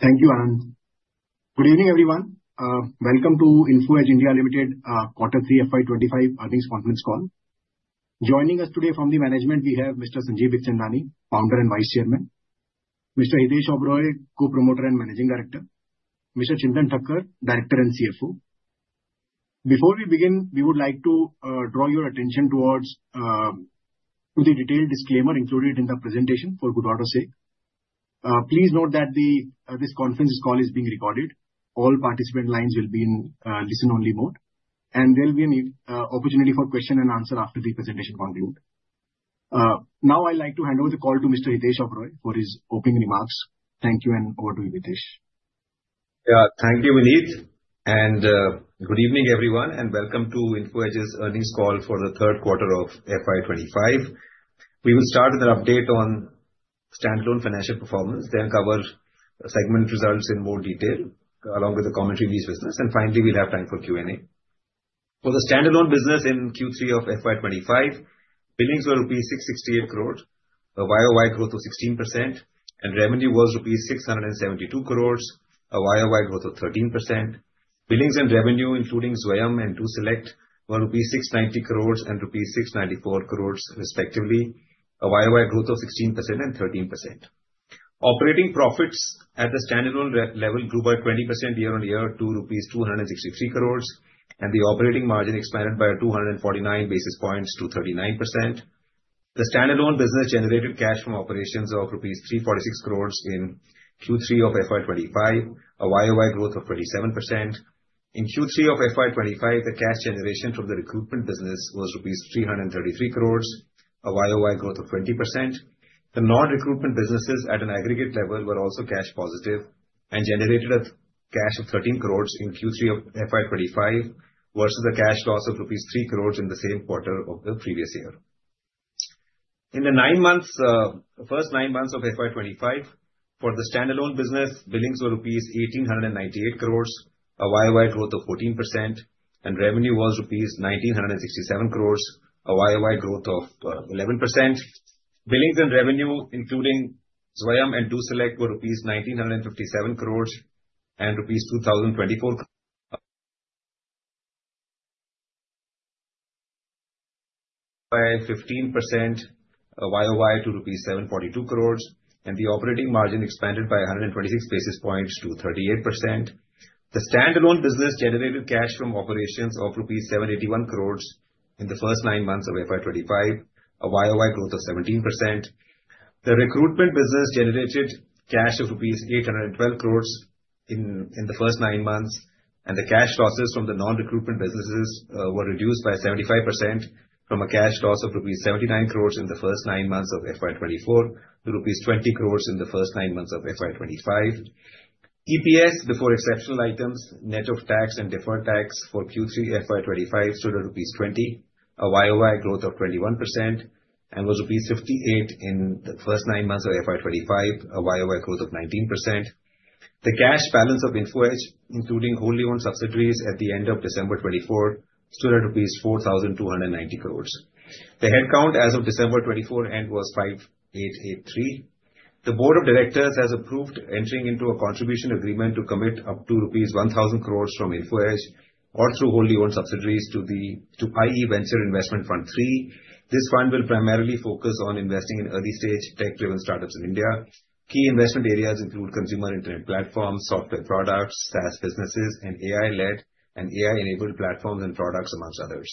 Thank you, Anand. Good evening, everyone. Welcome to Info Edge (India) Limited Q3 FY 2025 Earnings Conference Call. Joining us today from the management, we have Mr. Sanjeev Bikhchandani, Founder and Vice Chairman. Mr. Hitesh Oberoi, Co-Promoter and Managing Director. Mr. Chintan Thakkar, Director and CFO. Before we begin, we would like to draw your attention towards the detailed disclaimer included in the presentation for good order's sake. Please note that this conference call is being recorded. All participant lines will be in listen-only mode, and there will be an opportunity for question and answer after the presentation concludes. Now, I'd like to hand over the call to Mr. Hitesh Oberoi for his opening remarks. Thank you, and over to you, Hitesh. Yeah, thank you, Vineet. And good evening, everyone, and welcome to Info Edge's earnings call for the third quarter of FY 2025. We will start with an update on standalone financial performance, then cover segment results in more detail, along with a commentary on each business. And finally, we'll have time for Q&A. For the standalone business in Q3 of FY 2025, billings were rupees 668 crore, a YoY growth of 16%, and revenue was rupees 672 crore, a YoY growth of 13%. Billings and revenue, including Zwayam and DoSelect, were rupees 690 crore and rupees 694 crore, respectively, a YoY growth of 16% and 13%. Operating profits at the standalone level grew by 20% year-on-year to rupees 263 crore, and the operating margin expanded by 249 basis points to 39%. The standalone business generated cash from operations of rupees 346 crore in Q3 of FY 2025, a YoY growth of 27%. In Q3 of FY 2025, the cash generation from the recruitment business was rupees 333 crore, a YoY growth of 20%. The non-recruitment businesses at an aggregate level were also cash positive and generated a cash of 13 crore in Q3 of FY 2025 versus a cash loss of INR3 crore in the same quarter of the previous year. In the first nine months of FY 2025, for the standalone business, billings were rupees 1,898 crore, a YoY growth of 14%, and revenue was rupees 1,967 crore, a YoY growth of 11%. Billings and revenue, including Zwayam and DoSelect, were rupees 1,957 crore and rupees 2,024. By 15%, a YoY to 742 crore rupees, and the operating margin expanded by 126 basis points to 38%. The standalone business generated cash from operations of 781 crore rupees in the first nine months of FY 2025, a YoY growth of 17%. The recruitment business generated cash of rupees 812 crore in the first nine months, and the cash losses from the non-recruitment businesses were reduced by 75% from a cash loss of rupees 79 crore in the first nine months of FY 2024 to rupees 20 crore in the first nine months of FY 2025. EPS before exceptional items, net of tax and deferred tax, for Q3 FY 2025 stood at INR 20, a YoY growth of 21%, and was INR 58 in the first nine months of FY 2025, a YoY growth of 19%. The cash balance of Info Edge, including wholly owned subsidiaries at the end of December 2024, stood at rupees 4,290 crore. The headcount as of December 2024 end was 5,883. The Board of Directors has approved entering into a contribution agreement to commit up to rupees 1,000 crore from Info Edge or through wholly owned subsidiaries to IE Venture Investment Fund III. This fund will primarily focus on investing in early-stage tech-driven startups in India. Key investment areas include consumer internet platforms, software products, SaaS businesses, and AI-led and AI-enabled platforms and products, amongst others.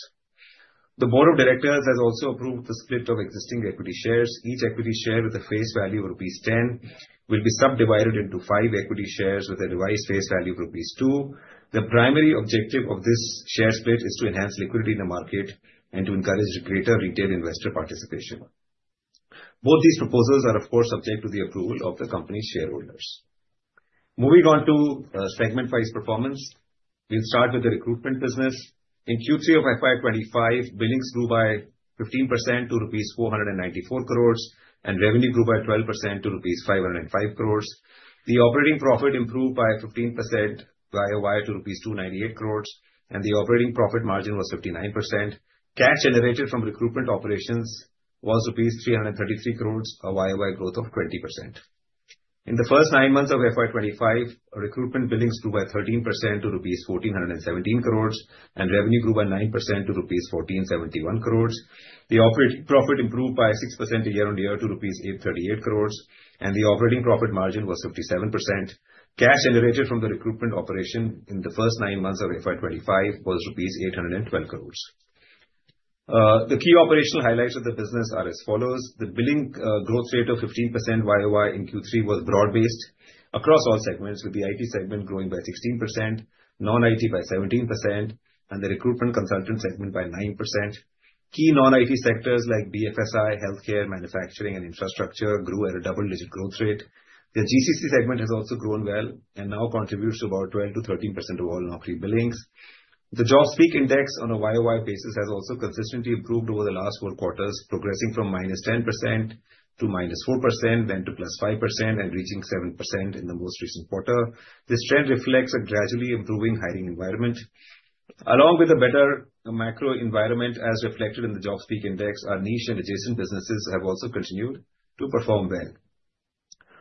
The Board of Directors has also approved the split of existing equity shares. Each equity share with a face value of rupees 10 will be subdivided into five equity shares with a face value of rupees 2. The primary objective of this share split is to enhance liquidity in the market and to encourage greater retail investor participation. Both these proposals are, of course, subject to the approval of the company's shareholders. Moving on to segment-wise performance, we'll start with the recruitment business. In Q3 of FY 2025, billings grew by 15% to rupees 494 crore, and revenue grew by 12% to rupees 505 crore. The operating profit improved by 15% YoY to rupees 298 crore, and the operating profit margin was 59%. Cash generated from recruitment operations was rupees 333 crore, a YoY growth of 20%. In the first nine months of FY 2025, recruitment billings grew by 13% to rupees 1,417 crore, and revenue grew by 9% to rupees 1,471 crore. The operating profit improved by 6% year-on-year to rupees 838 crore, and the operating profit margin was 57%. Cash generated from the recruitment operation in the first nine months of FY 2025 was rupees 812 crore. The key operational highlights of the business are as follows: the billing growth rate of 15% YoY in Q3 was broad-based across all segments, with the IT segment growing by 16%, non-IT by 17%, and the recruitment consultant segment by 9%. Key non-IT sectors like BFSI, healthcare, manufacturing, and infrastructure grew at a double-digit growth rate. The GCC segment has also grown well and now contributes to about 12%-13% of all non-creep billings. The JobSpeak index on a YoY basis has also consistently improved over the last four quarters, progressing from minus 10% to minus 4%, then to plus 5%, and reaching 7% in the most recent quarter. This trend reflects a gradually improving hiring environment. Along with a better macro environment as reflected in the JobSpeak index, our niche and adjacent businesses have also continued to perform well.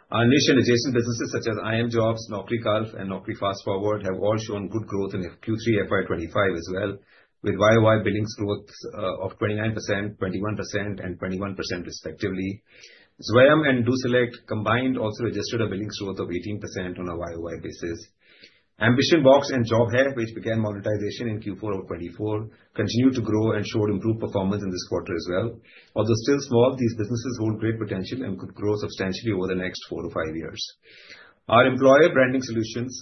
Our niche and adjacent businesses, such as iimjobs, Naukri Gulf, and Naukri FastForward, have all shown good growth in Q3 FY 2025 as well, with YoY billings growth of 29%, 21%, and 21%, respectively. Zwayam and DoSelect combined also registered a billings growth of 18% on a YoY basis. AmbitionBox and Job Hai, which began monetization in Q4 of 2024, continued to grow and showed improved performance in this quarter as well. Although still small, these businesses hold great potential and could grow substantially over the next four to five years. Our employer branding solutions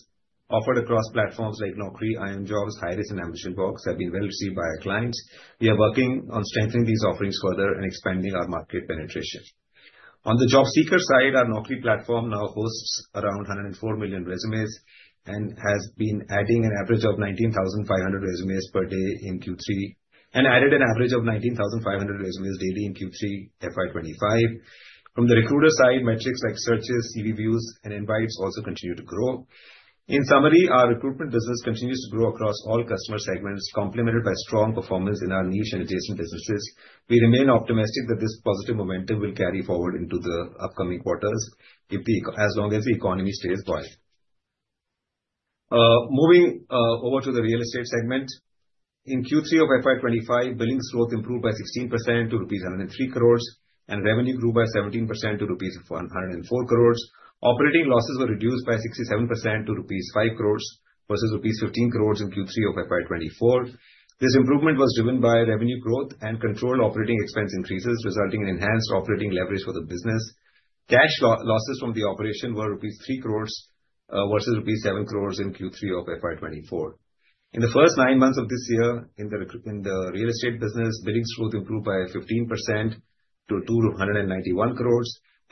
offered across platforms like Naukri, iimjobs, hirist, and AmbitionBox have been well received by our clients. We are working on strengthening these offerings further and expanding our market penetration. On the job seeker side, our Naukri platform now hosts around 104 million resumes and has been adding an average of 19,500 resumes per day in Q3 and added an average of 19,500 resumes daily in Q3 FY 2025. From the recruiter side, metrics like searches, CV views, and invites also continue to grow. In summary, our recruitment business continues to grow across all customer segments, complemented by strong performance in our niche and adjacent businesses. We remain optimistic that this positive momentum will carry forward into the upcoming quarters, as long as the economy stays quiet. Moving over to the real estate segment, in Q3 of FY 2025, billings growth improved by 16% to 103 crore rupees, and revenue grew by 17% to 104 crore rupees. Operating losses were reduced by 67% to rupees 5 crore versus rupees 15 crore in Q3 of FY 2024. This improvement was driven by revenue growth and controlled operating expense increases, resulting in enhanced operating leverage for the business. Cash losses from the operation were rupees 3 crore versus rupees 7 crore in Q3 of FY 2024. In the first nine months of this year, in the real estate business, billings growth improved by 15% to 291 crore,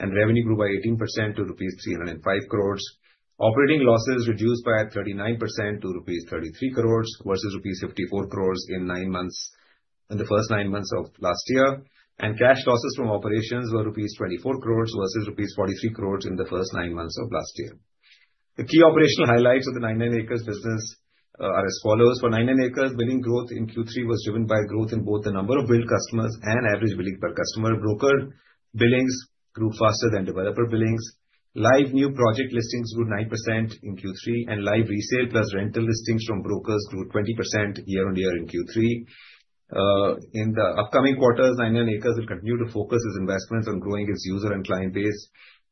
and revenue grew by 18% to rupees 305 crore. Operating losses reduced by 39% to rupees 33 crore versus rupees 54 crore in the first nine months of last year, and cash losses from operations were rupees 24 crore versus rupees 43 crore in the first nine months of last year. The key operational highlights of the 99 Acres business are as follows: for 99 Acres, billing growth in Q3 was driven by growth in both the number of billed customers and average billing per customer. Broker billings grew faster than developer billings. Live new project listings grew 9% in Q3, and live resale plus rental listings from brokers grew 20% year-on-year in Q3. In the upcoming quarters, 99 Acres will continue to focus its investments on growing its user and client base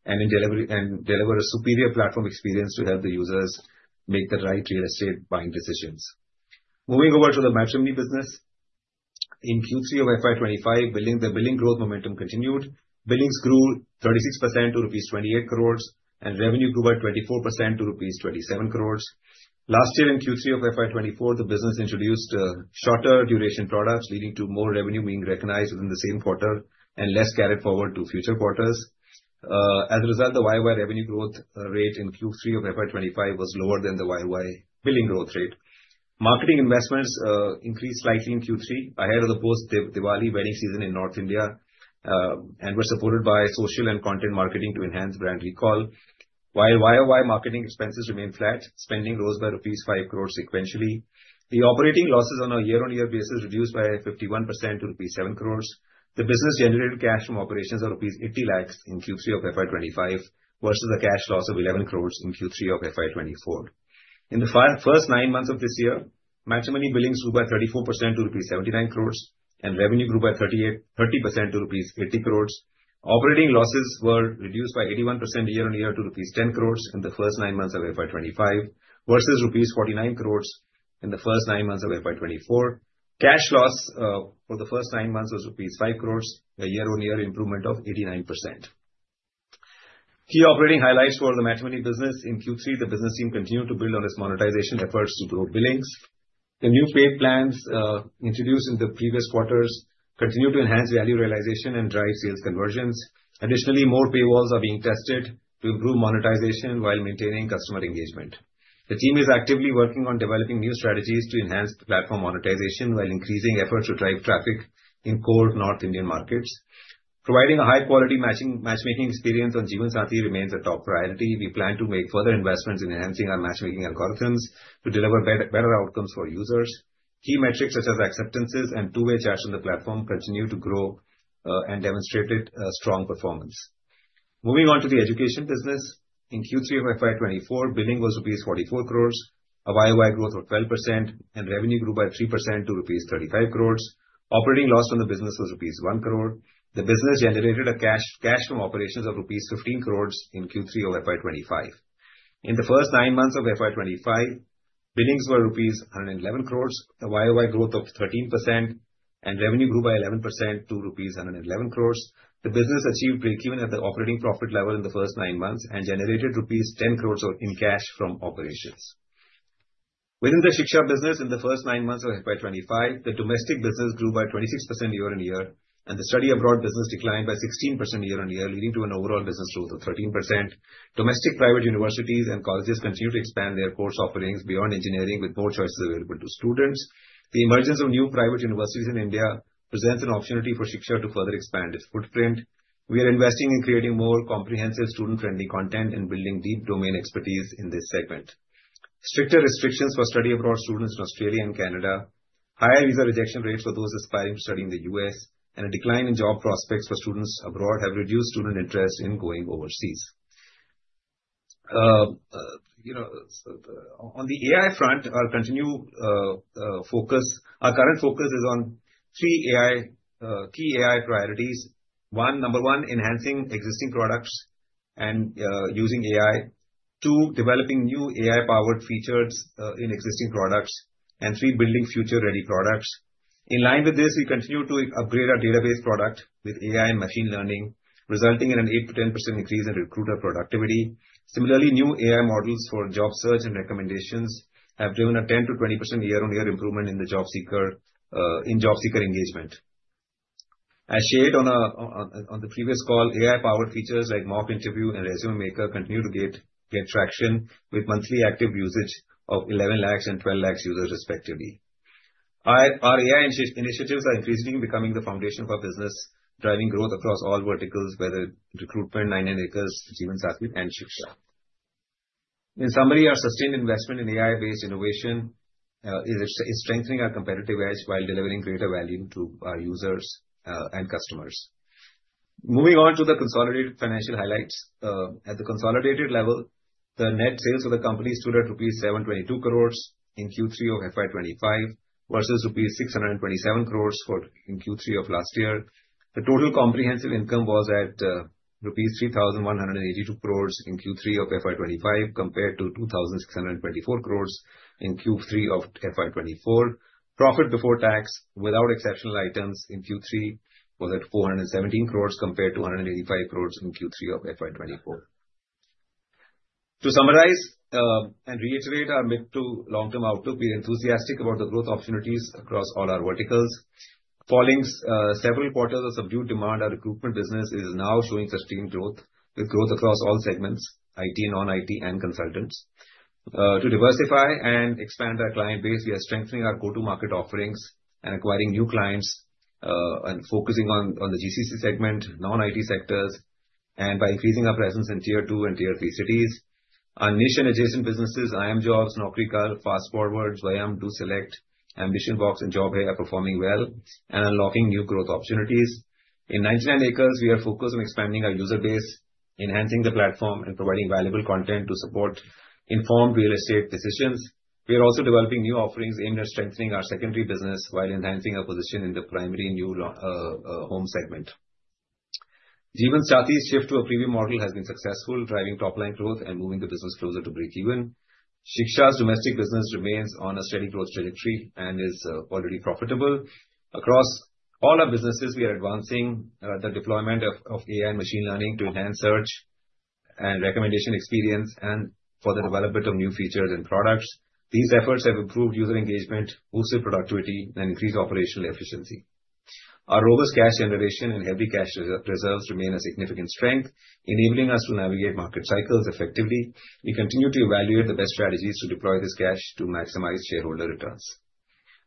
and deliver a superior platform experience to help the users make the right real estate buying decisions. Moving over to the matrimony business, in Q3 of FY 2025, the billing growth momentum continued. Billings grew 36% to rupees 28 crore, and revenue grew by 24% to rupees 27 crore. Last year, in Q3 of FY 2024, the business introduced shorter-duration products, leading to more revenue being recognized within the same quarter and less carried forward to future quarters. As a result, the YoY revenue growth rate in Q3 of FY 2025 was lower than the YoY billing growth rate. Marketing investments increased slightly in Q3 ahead of the post-Diwali wedding season in North India and were supported by social and content marketing to enhance brand recall. While YoY marketing expenses remained flat, spending rose by rupees 5 crore sequentially. The operating losses on a year-on-year basis reduced by 51% to rupees 7 crore. The business generated cash from operations of rupees 80 lakhs in Q3 of FY 2025 versus a cash loss of 11 crore in Q3 of FY 2024. In the first nine months of this year, matrimony billings grew by 34% to rupees 79 crore, and revenue grew by 30% to rupees 80 crore. Operating losses were reduced by 81% year-on-year to rupees 10 crore in the first nine months of FY 2025 versus rupees 49 crore in the first nine months of FY 2024. Cash loss for the first nine months was rupees 5 crore, a year-on-year improvement of 89%. Key operating highlights for the matrimony business: in Q3, the business team continued to build on its monetization efforts to grow billings. The new paid plans introduced in the previous quarters continue to enhance value realization and drive sales conversions. Additionally, more paywalls are being tested to improve monetization while maintaining customer engagement. The team is actively working on developing new strategies to enhance platform monetization while increasing efforts to drive traffic in core North Indian markets. Providing a high-quality matchmaking experience on Jeevansathi remains a top priority. We plan to make further investments in enhancing our matchmaking algorithms to deliver better outcomes for users. Key metrics such as acceptances and two-way chats on the platform continue to grow and demonstrate strong performance. Moving on to the education business, in Q3 of FY 2024, billing was rupees 44 crore, a YoY growth of 12%, and revenue grew by 3% to rupees 35 crore. Operating loss from the business was rupees 1 crore. The business generated cash from operations of rupees 15 crore in Q3 of FY 2025. In the first nine months of FY 2025, billings were rupees 111 crore, a YoY growth of 13%, and revenue grew by 11% to rupees 111 crore. The business achieved breakeven at the operating profit level in the first nine months and generated rupees 100 million in cash from operations. Within the Shiksha business, in the first nine months of FY 2025, the domestic business grew by 26% year-on-year, and the study abroad business declined by 16% year-on-year, leading to an overall business growth of 13%. Domestic private universities and colleges continue to expand their course offerings beyond engineering, with more choices available to students. The emergence of new private universities in India presents an opportunity for Shiksha to further expand its footprint. We are investing in creating more comprehensive student-friendly content and building deep domain expertise in this segment. Stricter restrictions for study abroad students in Australia and Canada, higher visa rejection rates for those aspiring to study in the U.S., and a decline in job prospects for students abroad have reduced student interest in going overseas. On the AI front, our current focus is on three key AI priorities: one, number one, enhancing existing products and using AI, two, developing new AI-powered features in existing products, and three, building future-ready products. In line with this, we continue to upgrade our database product with AI and machine learning, resulting in an 8%-10% increase in recruiter productivity. Similarly, new AI models for job search and recommendations have driven a 10%-20% year-on-year improvement in job seeker engagement. As shared on the previous call, AI-powered features like mock interview and resume maker continue to get traction with monthly active usage of 11 lakhs and 12 lakhs users, respectively. Our AI initiatives are increasingly becoming the foundation of our business, driving growth across all verticals, whether recruitment, 99acres, Jeevansathi, and Shiksha. In summary, our sustained investment in AI-based innovation is strengthening our competitive edge while delivering greater value to our users and customers. Moving on to the consolidated financial highlights, at the consolidated level, the net sales for the company stood at rupees 722 crore in Q3 of FY 2025 versus rupees 627 crore in Q3 of last year. The total comprehensive income was at rupees 3,182 crore in Q3 of FY 2025 compared to 2,624 crore in Q3 of FY 2024. Profit before tax, without exceptional items in Q3, was at 417 crore compared to 185 crore in Q3 of FY 2024. To summarize and reiterate our mid to long-term outlook, we are enthusiastic about the growth opportunities across all our verticals. Following several quarters of subdued demand, our recruitment business is now showing sustained growth with growth across all segments: IT, non-IT, and consultants. To diversify and expand our client base, we are strengthening our go-to-market offerings and acquiring new clients and focusing on the GCC segment, non-IT sectors, and by increasing our presence in Tier 2 and Tier 3 cities. Our niche and adjacent businesses, iimjobs, Naukri Gulf, FastForward, Zwayam, DoSelect, AmbitionBox, and Job Hai, are performing well and unlocking new growth opportunities. In 99acres, we are focused on expanding our user base, enhancing the platform, and providing valuable content to support informed real estate decisions. We are also developing new offerings aimed at strengthening our secondary business while enhancing our position in the primary new home segment. Jeevansathi's shift to a premium model has been successful, driving top-line growth and moving the business closer to breakeven. Shiksha's domestic business remains on a steady growth trajectory and is already profitable. Across all our businesses, we are advancing the deployment of AI and machine learning to enhance search and recommendation experience and for the development of new features and products. These efforts have improved user engagement, boosted productivity, and increased operational efficiency. Our robust cash generation and heavy cash reserves remain a significant strength, enabling us to navigate market cycles effectively. We continue to evaluate the best strategies to deploy this cash to maximize shareholder returns.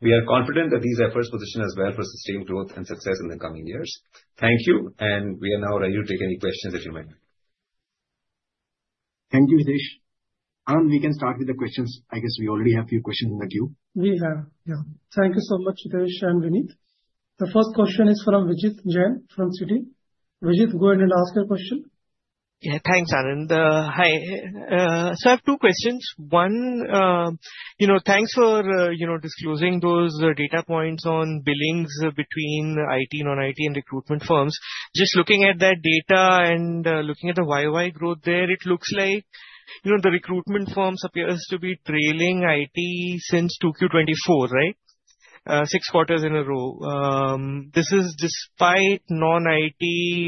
We are confident that these efforts position us well for sustained growth and success in the coming years. Thank you, and we are now ready to take any questions that you may have. Thank you, Hitesh. Anand, we can start with the questions. I guess we already have a few questions in the queue. We have, yeah. Thank you so much, Hitesh and Vineet. The first question is from Vijit Jain from Citi. Vijit, go ahead and ask your question. Yeah, thanks, Anand. Hi. So I have two questions. One, you know, thanks for, you know, disclosing those data points on billings between IT and non-IT and recruitment firms. Just looking at that data and looking at the YoY growth there, it looks like, you know, the recruitment firms appear to be trailing IT since 2Q24, right? Six quarters in a row. This is despite non-IT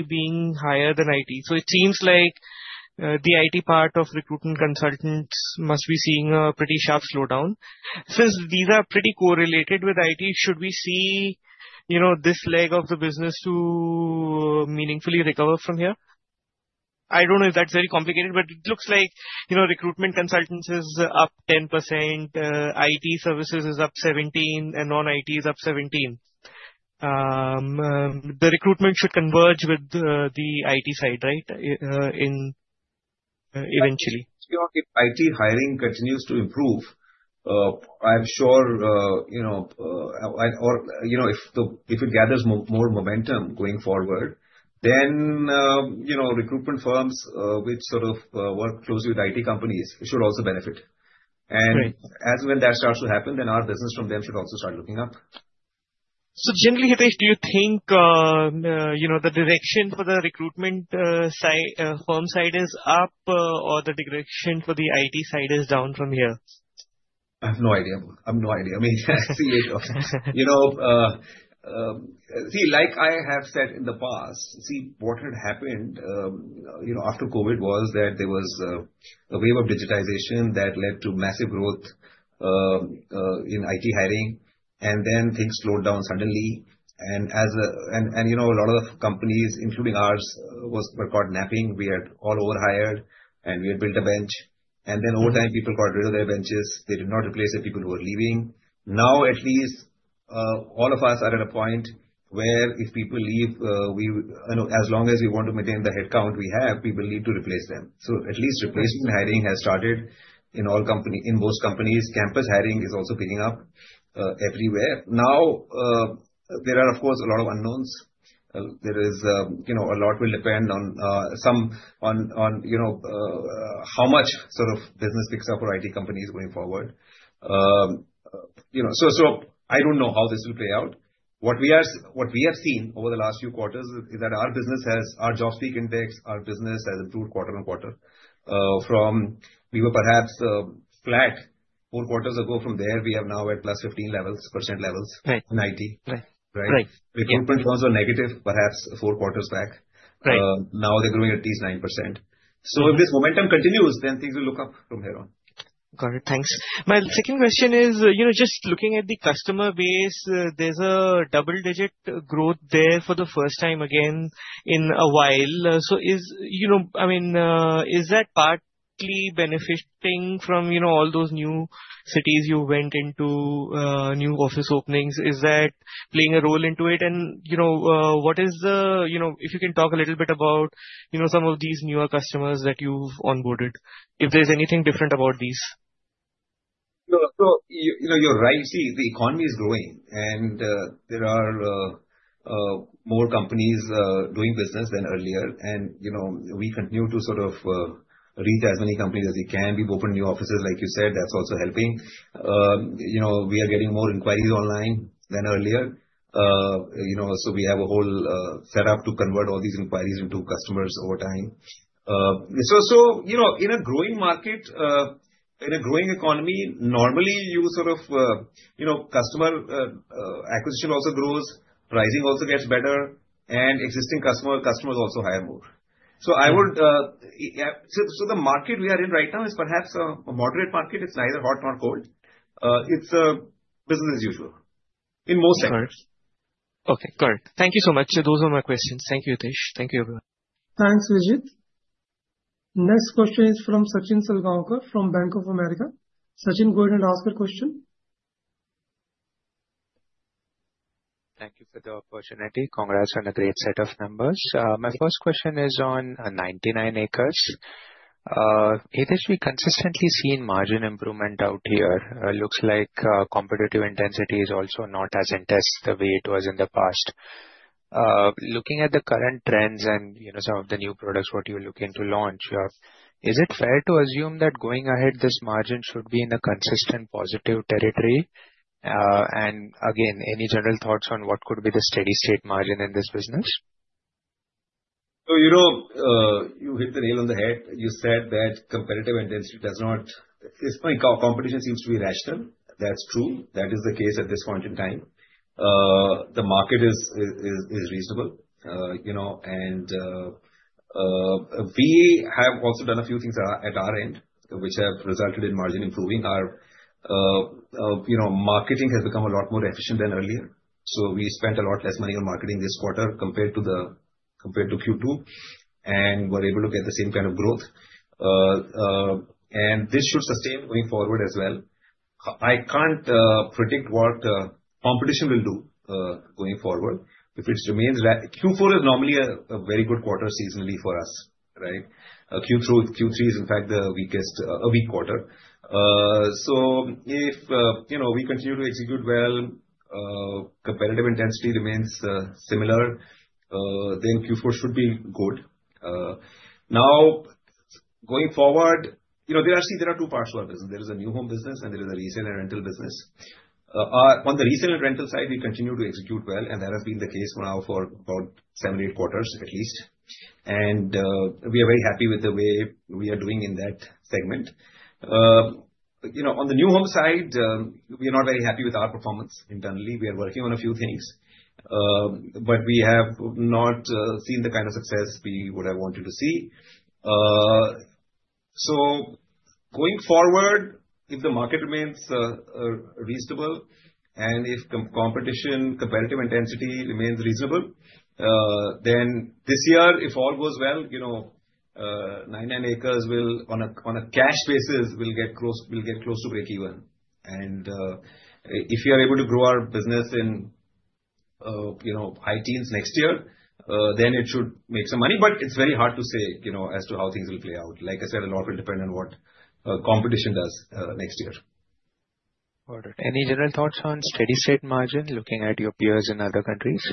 being higher than IT. So it seems like the IT part of recruitment consultants must be seeing a pretty sharp slowdown. Since these are pretty correlated with IT, should we see, you know, this leg of the business to meaningfully recover from here? I don't know if that's very complicated, but it looks like, you know, recruitment consultancy is up 10%, IT services is up 17%, and non-IT is up 17%. The recruitment should converge with the IT side, right? Eventually. If IT hiring continues to improve, I'm sure, you know, or, you know, if it gathers more momentum going forward, then, you know, recruitment firms which sort of work closely with IT companies should also benefit. And as when that starts to happen, then our business from them should also start looking up. So generally, Hitesh, do you think, you know, the direction for the recruitment firm side is up or the direction for the IT side is down from here? I have no idea. I have no idea. I mean, I see it. You know, see, like I have said in the past, see, what had happened, you know, after COVID was that there was a wave of digitization that led to massive growth in IT hiring, and then things slowed down suddenly. You know, a lot of companies, including ours, were caught napping. We had all overhired, and we had built a bench, and then over time, people got rid of their benches. They did not replace the people who were leaving. Now, at least, all of us are at a point where if people leave, as long as we want to maintain the headcount we have, we will need to replace them. So at least replacement hiring has started in all companies. In most companies, campus hiring is also picking up everywhere. Now, there are, of course, a lot of unknowns. There is, you know, a lot will depend on some, you know, how much sort of business picks up for IT companies going forward. You know, so I don't know how this will play out. What we have seen over the last few quarters is that our business has, our JobSpeak index, improved quarter on quarter. From where we were perhaps flat four quarters ago, from there, we have now at plus 15% levels in IT. Right. Right. Right. Recruitment firms were negative perhaps four quarters back. Now they're growing at least 9%. So if this momentum continues, then things will look up from here on. Got it. Thanks. My second question is, you know, just looking at the customer base, there's a double-digit growth there for the first time again in a while. So, you know, I mean, is that partly benefiting from, you know, all those new cities you went into, new office openings? Is that playing a role into it? You know, what is the, you know, if you can talk a little bit about, you know, some of these newer customers that you've onboarded, if there's anything different about these? So, you know, you're right. See, the economy is growing, and there are more companies doing business than earlier. And, you know, we continue to sort of reach as many companies as we can. We've opened new offices, like you said, that's also helping. You know, we are getting more inquiries online than earlier. You know, so we have a whole setup to convert all these inquiries into customers over time. So, you know, in a growing market, in a growing economy, normally you sort of, you know, customer acquisition also grows, pricing also gets better, and existing customers also hire more. So I would, so the market we are in right now is perhaps a moderate market. It's neither hot nor cold. It's a business as usual in most segments. Okay. Got it. Thank you so much. Those are my questions. Thank you, Hitesh. Thank you, everyone. Thanks, Vijith. Next question is from Sachin Salgaonkar from Bank of America. Sachin, go ahead and ask your question. Thank you for the opportunity. Congrats on a great set of numbers. My first question is on 99 acres. Hitesh, we consistently see margin improvement out here. It looks like competitive intensity is also not as intense the way it was in the past. Looking at the current trends and, you know, some of the new products, what you're looking to launch, is it fair to assume that going ahead, this margin should be in a consistent positive territory? And again, any general thoughts on what could be the steady-state margin in this business? So, you know, you hit the nail on the head. You said that competition seems to be rational. That's true. That is the case at this point in time. The market is reasonable, you know, and we have also done a few things at our end, which have resulted in margin improving. Our, you know, marketing has become a lot more efficient than earlier. So we spent a lot less money on marketing this quarter compared to Q2 and were able to get the same kind of growth. And this should sustain going forward as well. I can't predict what competition will do going forward. If it remains, Q4 is normally a very good quarter seasonally for us, right? Q3 is, in fact, the weakest quarter. So if, you know, we continue to execute well, competitive intensity remains similar, then Q4 should be good. Now, going forward, you know, there are actually, there are two parts to our business. There is a new home business and there is a resale and rental business. On the resale and rental side, we continue to execute well, and that has been the case for now for about seven or eight quarters at least. And we are very happy with the way we are doing in that segment. You know, on the new home side, we are not very happy with our performance internally. We are working on a few things, but we have not seen the kind of success we would have wanted to see. So going forward, if the market remains reasonable and if competition, competitive intensity remains reasonable, then this year, if all goes well, you know, 99acres will, on a cash basis, will get close to breakeven. And if we are able to grow our business in, you know, high teens next year, then it should make some money. But it's very hard to say, you know, as to how things will play out. Like I said, a lot will depend on what competition does next year. Got it. Any general thoughts on steady-state margin looking at your peers in other countries?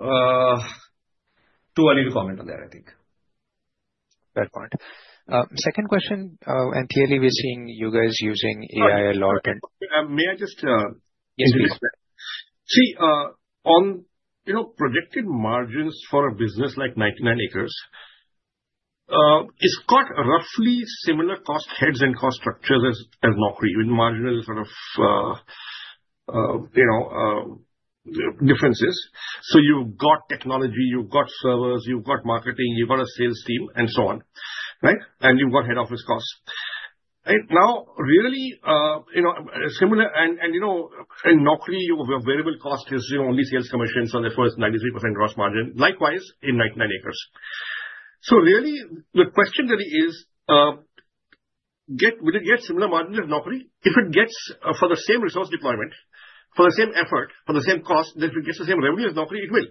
Too early to comment on that, I think. Fair point. Second question, and clearly we're seeing you guys using AI a lot. May I just? Yes, please. See, on, you know, projected margins for a business like 99acres, it's got roughly similar cost heads and cost structures as Naukri. Margin is sort of, you know, differences. So you've got technology, you've got servers, you've got marketing, you've got a sales team, and so on, right? And you've got head office costs. Now, really, you know, similar, and you know, in Naukri, variable cost is only sales commission, so therefore it's 93% gross margin. Likewise, in 99acres. So really, the question then is, would it get similar margins as Naukri? If it gets for the same resource deployment, for the same effort, for the same cost, then if it gets the same revenue as Naukri, it will.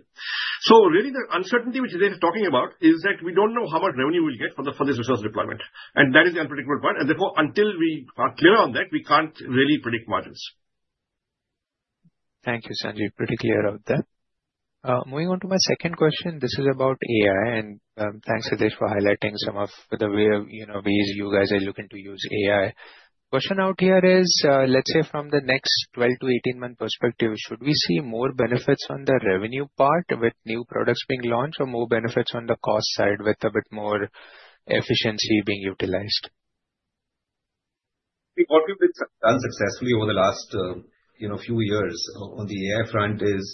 So really, the uncertainty which they're talking about is that we don't know how much revenue we'll get for this resource deployment. And that is the unpredictable part. Therefore, until we are clear on that, we can't really predict margins. Thank you, Sanjeev. Pretty clear out there. Moving on to my second question, this is about AI, and thanks, Hitesh, for highlighting some of the ways, you know, ways you guys are looking to use AI. Question out here is, let's say from the next 12- to 18-month perspective, should we see more benefits on the revenue part with new products being launched or more benefits on the cost side with a bit more efficiency being utilized? What we've done successfully over the last, you know, few years on the AI front is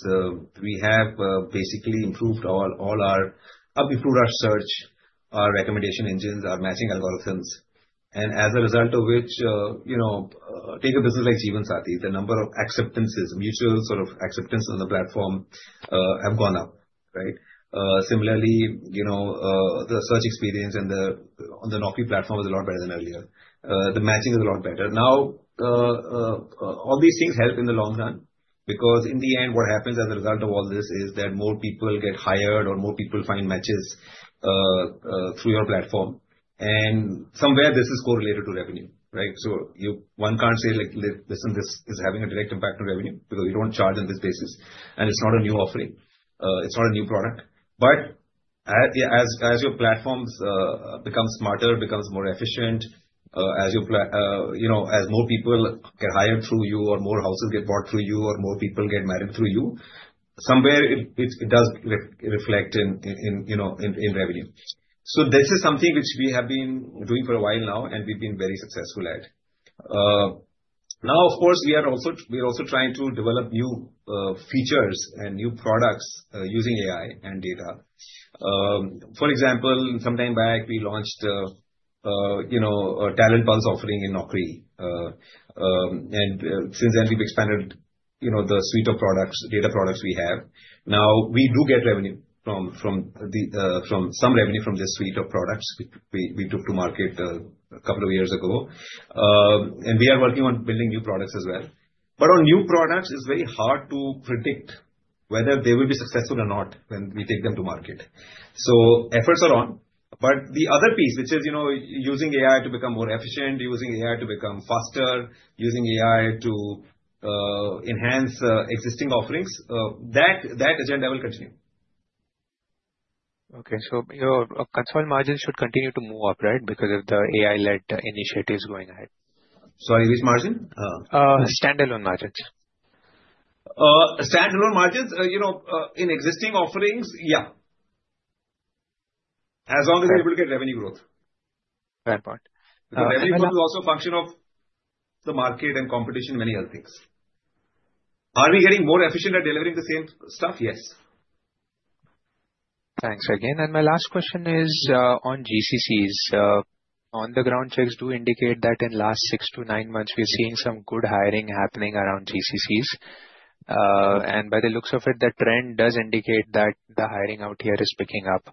we have basically improved. We've improved our search, our recommendation engines, our matching algorithms. And as a result of which, you know, take a business like Jeevansathi, the number of acceptances, mutual sort of acceptance on the platform have gone up, right? Similarly, you know, the search experience on the Naukri platform is a lot better than earlier. The matching is a lot better. Now, all these things help in the long run because in the end, what happens as a result of all this is that more people get hired or more people find matches through your platform. And somewhere this is correlated to revenue, right? So you, one can't say like, listen, this is having a direct impact on revenue because we don't charge on this basis. And it's not a new offering. It's not a new product. But as your platforms become smarter, become more efficient, as you, you know, as more people get hired through you or more houses get bought through you or more people get married through you, somewhere it does reflect in, you know, in revenue. So this is something which we have been doing for a while now and we've been very successful at. Now, of course, we are also, we're also trying to develop new features and new products using AI and data. For example, sometime back, we launched, you know, a Talent Pulse offering in Naukri. And since then, we've expanded, you know, the suite of products, data products we have. Now, we do get some revenue from this suite of products we took to market a couple of years ago. And we are working on building new products as well. But on new products, it's very hard to predict whether they will be successful or not when we take them to market. So efforts are on. But the other piece, which is, you know, using AI to become more efficient, using AI to become faster, using AI to enhance existing offerings, that agenda will continue. Okay. So your consultant margin should continue to move up, right? Because of the AI-led initiatives going ahead. Sorry, which margin? Standalone margins. Standalone margins, you know, in existing offerings, yeah. As long as we're able to get revenue growth. Fair point. Because revenue growth is also a function of the market and competition and many other things. Are we getting more efficient at delivering the same stuff? Yes. Thanks again. And my last question is on GCCs. On-the-ground checks do indicate that in the last six to nine month, we are seeing some good hiring happening around GCCs. And by the looks of it, the trend does indicate that the hiring out here is picking up.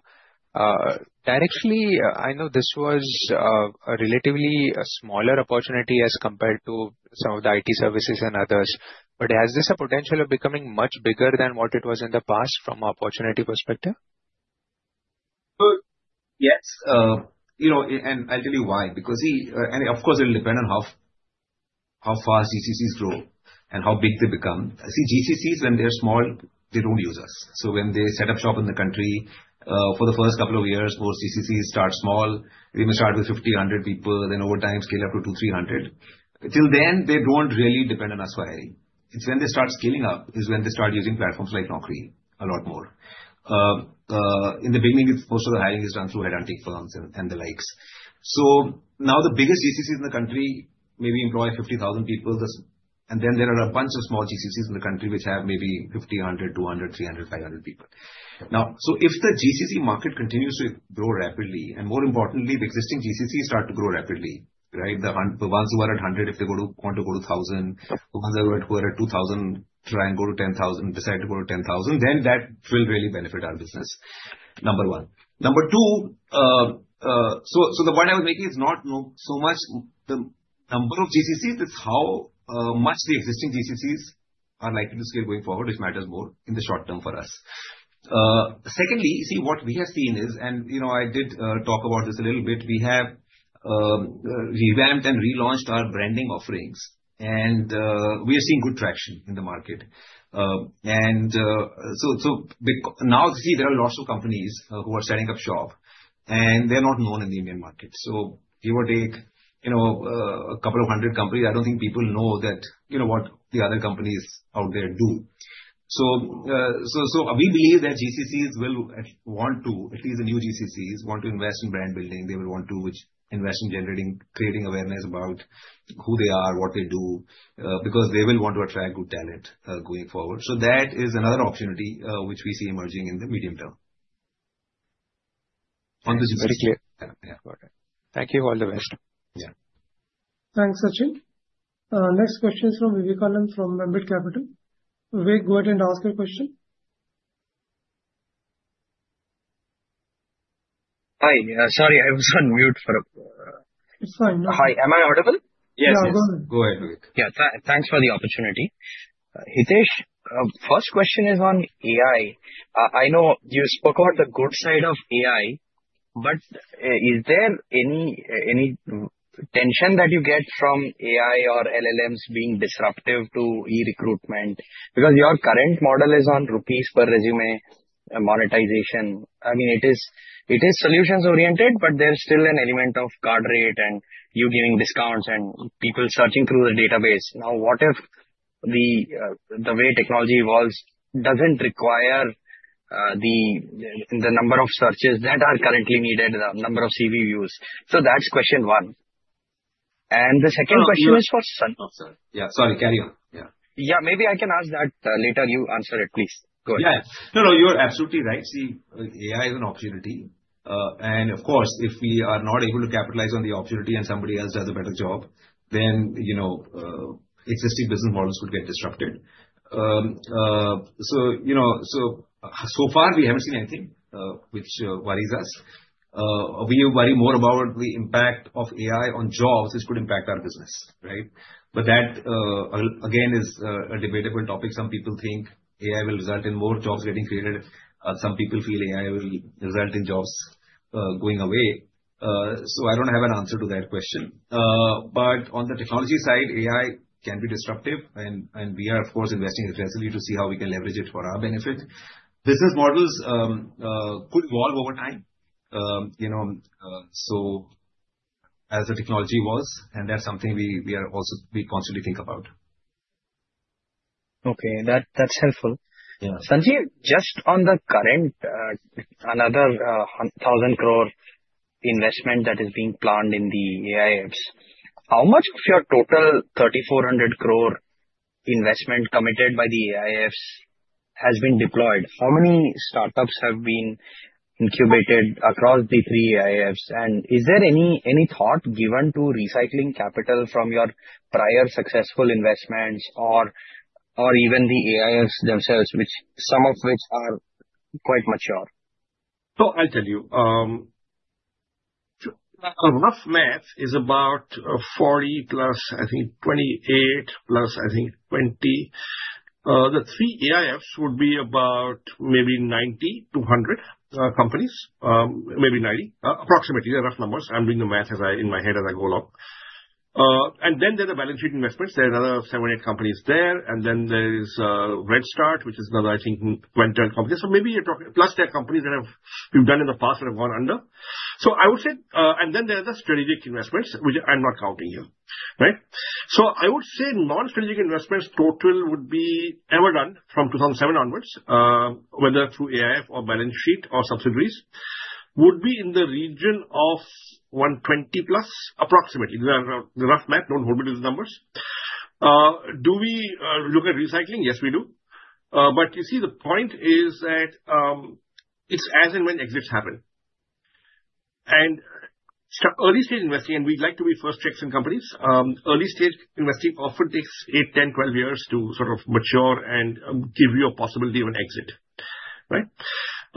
Directly, I know this was a relatively smaller opportunity as compared to some of the IT services and others. But has this a potential of becoming much bigger than what it was in the past from an opportunity perspective? Yes. You know, and I'll tell you why. Because, see, and of course, it'll depend on how fast GCCs grow and how big they become. See, GCCs, when they're small, they don't use us. So when they set up shop in the country, for the first couple of years, most GCCs start small. They may start with 50, 100 people, then over time scale up to 200, 300. Until then, they don't really depend on us for hiring. It's when they start scaling up is when they start using platforms like Naukri a lot more. In the beginning, most of the hiring is done through headhunting firms and the likes. So now the biggest GCCs in the country maybe employ 50,000 people. And then there are a bunch of small GCCs in the country which have maybe 50, 100, 200, 300, 500 people. Now, so if the GCC market continues to grow rapidly, and more importantly, the existing GCCs start to grow rapidly, right? The ones who are at 100, if they want to go to 1,000, the ones who are at 2,000 try and go to 10,000, decide to go to 10,000, then that will really benefit our business. Number one. Number two, so the point I was making is not so much the number of GCCs, it's how much the existing GCCs are likely to scale going forward, which matters more in the short term for us. Secondly, see, what we have seen is, and you know, I did talk about this a little bit, we have revamped and relaunched our branding offerings, and we are seeing good traction in the market, and so now, see, there are lots of companies who are setting up shop, and they're not known in the Indian market. So give or take, you know, a couple of hundred companies, I don't think people know that, you know, what the other companies out there do. So we believe that GCCs will want to, at least the new GCCs want to invest in brand building. They will want to invest in generating, creating awareness about who they are, what they do, because they will want to attract good talent going forward. So that is another opportunity which we see emerging in the medium term. On the GCCs. Very clear. Got it. Thank you. All the best. Yeah. Thanks, Sachin. Next question is from Vivekanand Subbaraman from Ambit Capital. Vivekanand, go ahead and ask your question. Hi. Sorry, I was on mute. It's fine. Hi. Am I audible? Yes. Yeah, go ahead. Go ahead, Vivekanand. Yeah. Thanks for the opportunity. Hitesh, first question is on AI. I know you spoke about the good side of AI, but is there any tension that you get from AI or LLMs being disruptive to e-recruitment? Because your current model is on rupees per resume monetization. I mean, it is solutions-oriented, but there's still an element of guardrail and you giving discounts and people searching through the database. Now, what if the way technology evolves doesn't require the number of searches that are currently needed, the number of CV views? So that's question one, and the second question is for... Yeah, sorry. Carry on. Yeah. Yeah, maybe I can ask that later. You answer it, please. Go ahead. Yeah. No, no, you're absolutely right. See, AI is an opportunity, and of course, if we are not able to capitalize on the opportunity and somebody else does a better job, then, you know, existing business models could get disrupted, so you know, so far we haven't seen anything which worries us. We worry more about the impact of AI on jobs, which could impact our business, right, but that, again, is a debatable topic. Some people think AI will result in more jobs getting created. Some people feel AI will result in jobs going away. So I don't have an answer to that question. But on the technology side, AI can be disruptive. And we are, of course, investing aggressively to see how we can leverage it for our benefit. Business models could evolve over time, you know, so as the technology evolves. And that's something we are also, we constantly think about. Okay. That's helpful. Sanjeev, just on the current, another 1,000 crore investment that is being planned in the AIFs, how much of your total 3,400 crore investment committed by the AIFs has been deployed? How many startups have been incubated across the three AIFs? And is there any thought given to recycling capital from your prior successful investments or even the AIFs themselves, which some of which are quite mature? So I'll tell you. Rough math is about 40 plus, I think 28 plus, I think 20. The three AIFs would be about maybe 90 to 100 companies, maybe 90, approximately. They're rough numbers. I'm doing the math in my head as I go along. And then there are the balance sheet investments. There are another seven, eight companies there. And then there is RedStart, which is another, I think, 20 or so companies. So maybe you're talking plus there are companies that have been done in the past that have gone under. So I would say, and then there are the strategic investments, which I'm not counting here, right? So I would say non-strategic investments total would be ever done from 2007 onwards, whether through AIF or balance sheet or subsidiaries, would be in the region of 120 plus, approximately. The rough math, don't hold me to the numbers. Do we look at recycling? Yes, we do. But you see, the point is that it's as and when exits happen, and we'd like to be first checks in companies. Early stage investing often takes eight, 10, 12 years to sort of mature and give you a possibility of an exit, right?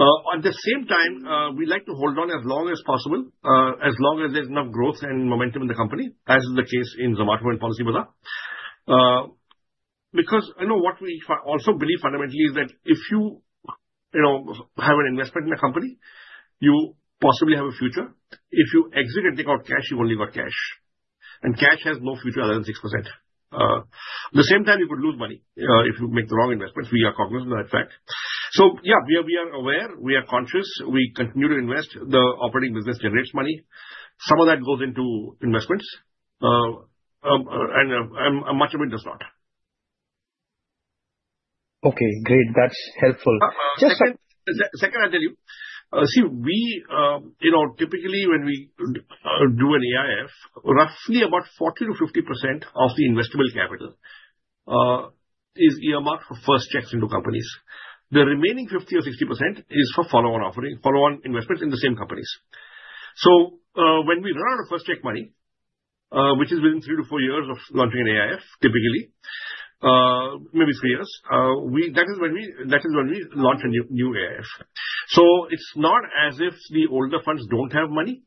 At the same time, we'd like to hold on as long as possible, as long as there's enough growth and momentum in the company, as is the case in Zomato and PolicyBazaar. Because you know what we also believe fundamentally is that if you have an investment in a company, you possibly have a future. If you exit and take out cash, you've only got cash. And cash has no future other than 6%. At the same time, you could lose money if you make the wrong investments. We are cognizant of that fact. So yeah, we are aware, we are conscious, we continue to invest. The operating business generates money. Some of that goes into investments. And much of it does not. Okay, great. That's helpful. Just second, I'll tell you. See, we typically when we do an AIF, roughly about 40%-50% of the investable capital is earmarked for first checks into companies. The remaining 50% or 60% is for follow-on offering, follow-on investments in the same companies. So when we run out of first check money, which is within three to four years of launching an AIF, typically, maybe three years, that is when we launch a new AIF. So it's not as if the older funds don't have money.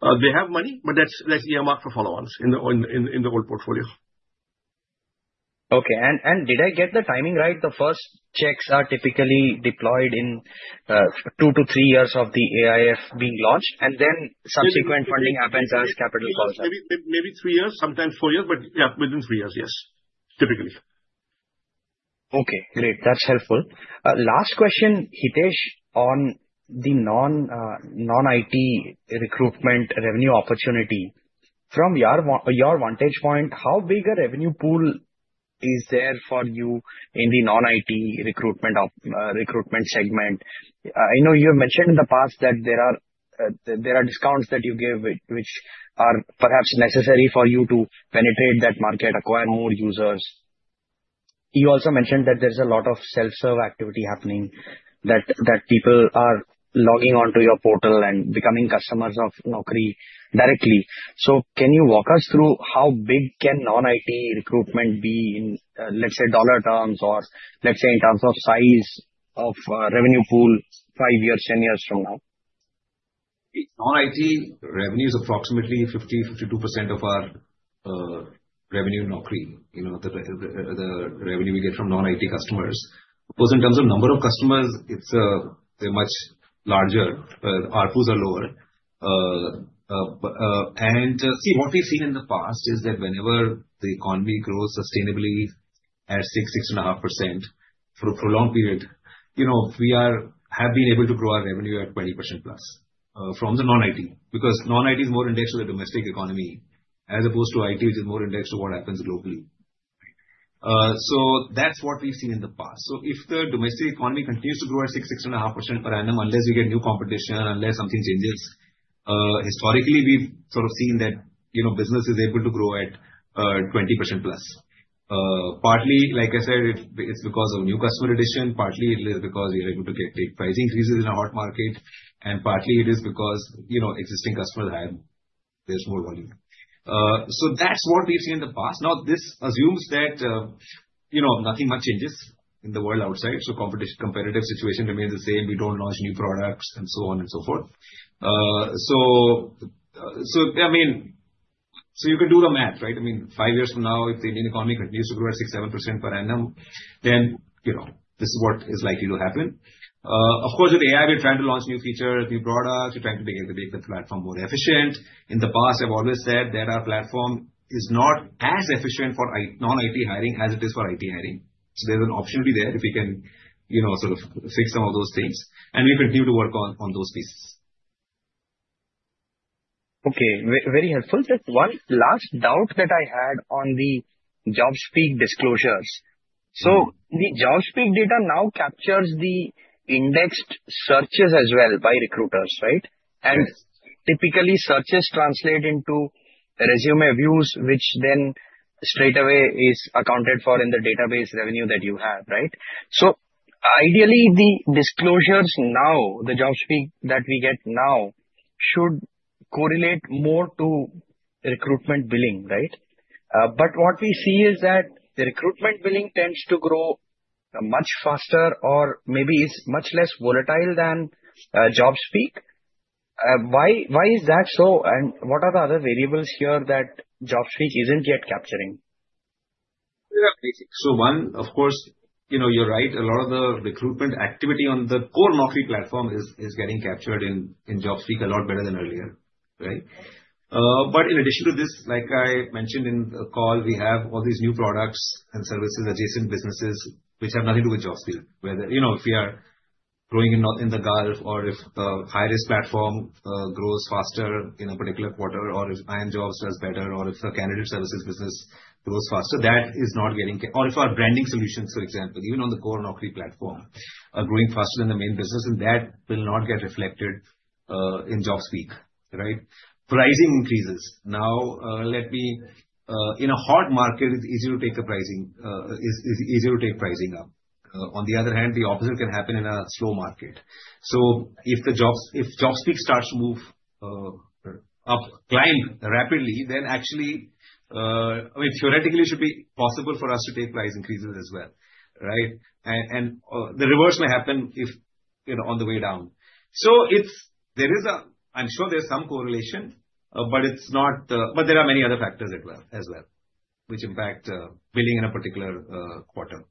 They have money, but that's earmarked for follow-ons in the old portfolio. Okay. And did I get the timing right? The first checks are typically deployed in two to three years of the AIF being launched, and then subsequent funding happens as capital falls out. Maybe three years, sometimes four years, but yeah, within three years, yes. Typically. Okay, great. That's helpful. Last question, Hitesh, on the non-IT recruitment revenue opportunity. From your vantage point, how big a revenue pool is there for you in the non-IT recruitment segment? I know you have mentioned in the past that there are discounts that you give, which are perhaps necessary for you to penetrate that market, acquire more users. You also mentioned that there's a lot of self-serve activity happening, that people are logging onto your portal and becoming customers of Naukri directly. So can you walk us through how big can non-IT recruitment be in, let's say, dollar terms or let's say in terms of size of revenue pool five years, ten years from now? Non-IT revenue is approximately 50%-52% of our revenue in Naukri, the revenue we get from non-IT customers. Of course, in terms of number of customers, they're much larger. Our pools are lower, and see, what we've seen in the past is that whenever the economy grows sustainably at 6%-6.5% for a prolonged period, you know we have been able to grow our revenue at 20% plus from the non-IT. Because non-IT is more indexed to the domestic economy as opposed to IT, which is more indexed to what happens globally, so that's what we've seen in the past. So if the domestic economy continues to grow at 6%-6.5% per annum, unless we get new competition, unless something changes, historically, we've sort of seen that business is able to grow at 20% plus. Partly, like I said, it's because of new customer addition. Partly, it is because we are able to take price increases in a hot market. And partly, it is because existing customers hire. There's more volume. So that's what we've seen in the past. Now, this assumes that nothing much changes in the world outside. So competitive situation remains the same. We don't launch new products and so on and so forth. So I mean, so you can do the math, right? I mean, five years from now, if the Indian economy continues to grow at 6-7% per annum, then this is what is likely to happen. Of course, with AI, we're trying to launch new features, new products. We're trying to make the platform more efficient. In the past, I've always said that our platform is not as efficient for non-IT hiring as it is for IT hiring. So there's an option to be there if we can sort of fix some of those things. And we continue to work on those pieces. Okay. Very helpful. Just one last doubt that I had on the JobSpeak disclosures. So the JobSpeak data now captures the indexed searches as well by recruiters, right? And typically, searches translate into resume views, which then straight away is accounted for in the database revenue that you have, right? So ideally, the disclosures now, the JobSpeak that we get now should correlate more to recruitment billing, right? But what we see is that the recruitment billing tends to grow much faster or maybe is much less volatile than JobSpeak. Why is that so? And what are the other variables here that JobSpeak isn't yet capturing? So one, of course, you're right. A lot of the recruitment activity on the core Naukri platform is getting captured in JobSpeak a lot better than earlier, right? But in addition to this, like I mentioned in the call, we have all these new products and services, adjacent businesses, which have nothing to do with JobSpeak. Whether if we are growing in the Gulf or if the Hirist platform grows faster in a particular quarter, or if iimjobs does better, or if the candidate services business grows faster, that is not getting captured. Or if our branding solutions, for example, even on the core Naukri platform, are growing faster than the main business, then that will not get reflected in JobSpeak, right? Pricing increases. Now, let me, in a hot market, it's easier to take a pricing, it's easier to take pricing up. On the other hand, the opposite can happen in a slow market. So if JobSpeak starts to move up, climb rapidly, then actually, I mean, theoretically, it should be possible for us to take price increases as well, right? And the reverse may happen if on the way down. So there is a, I'm sure there's some correlation, but it's not, but there are many other factors as well, which impact billing in a particular quarter.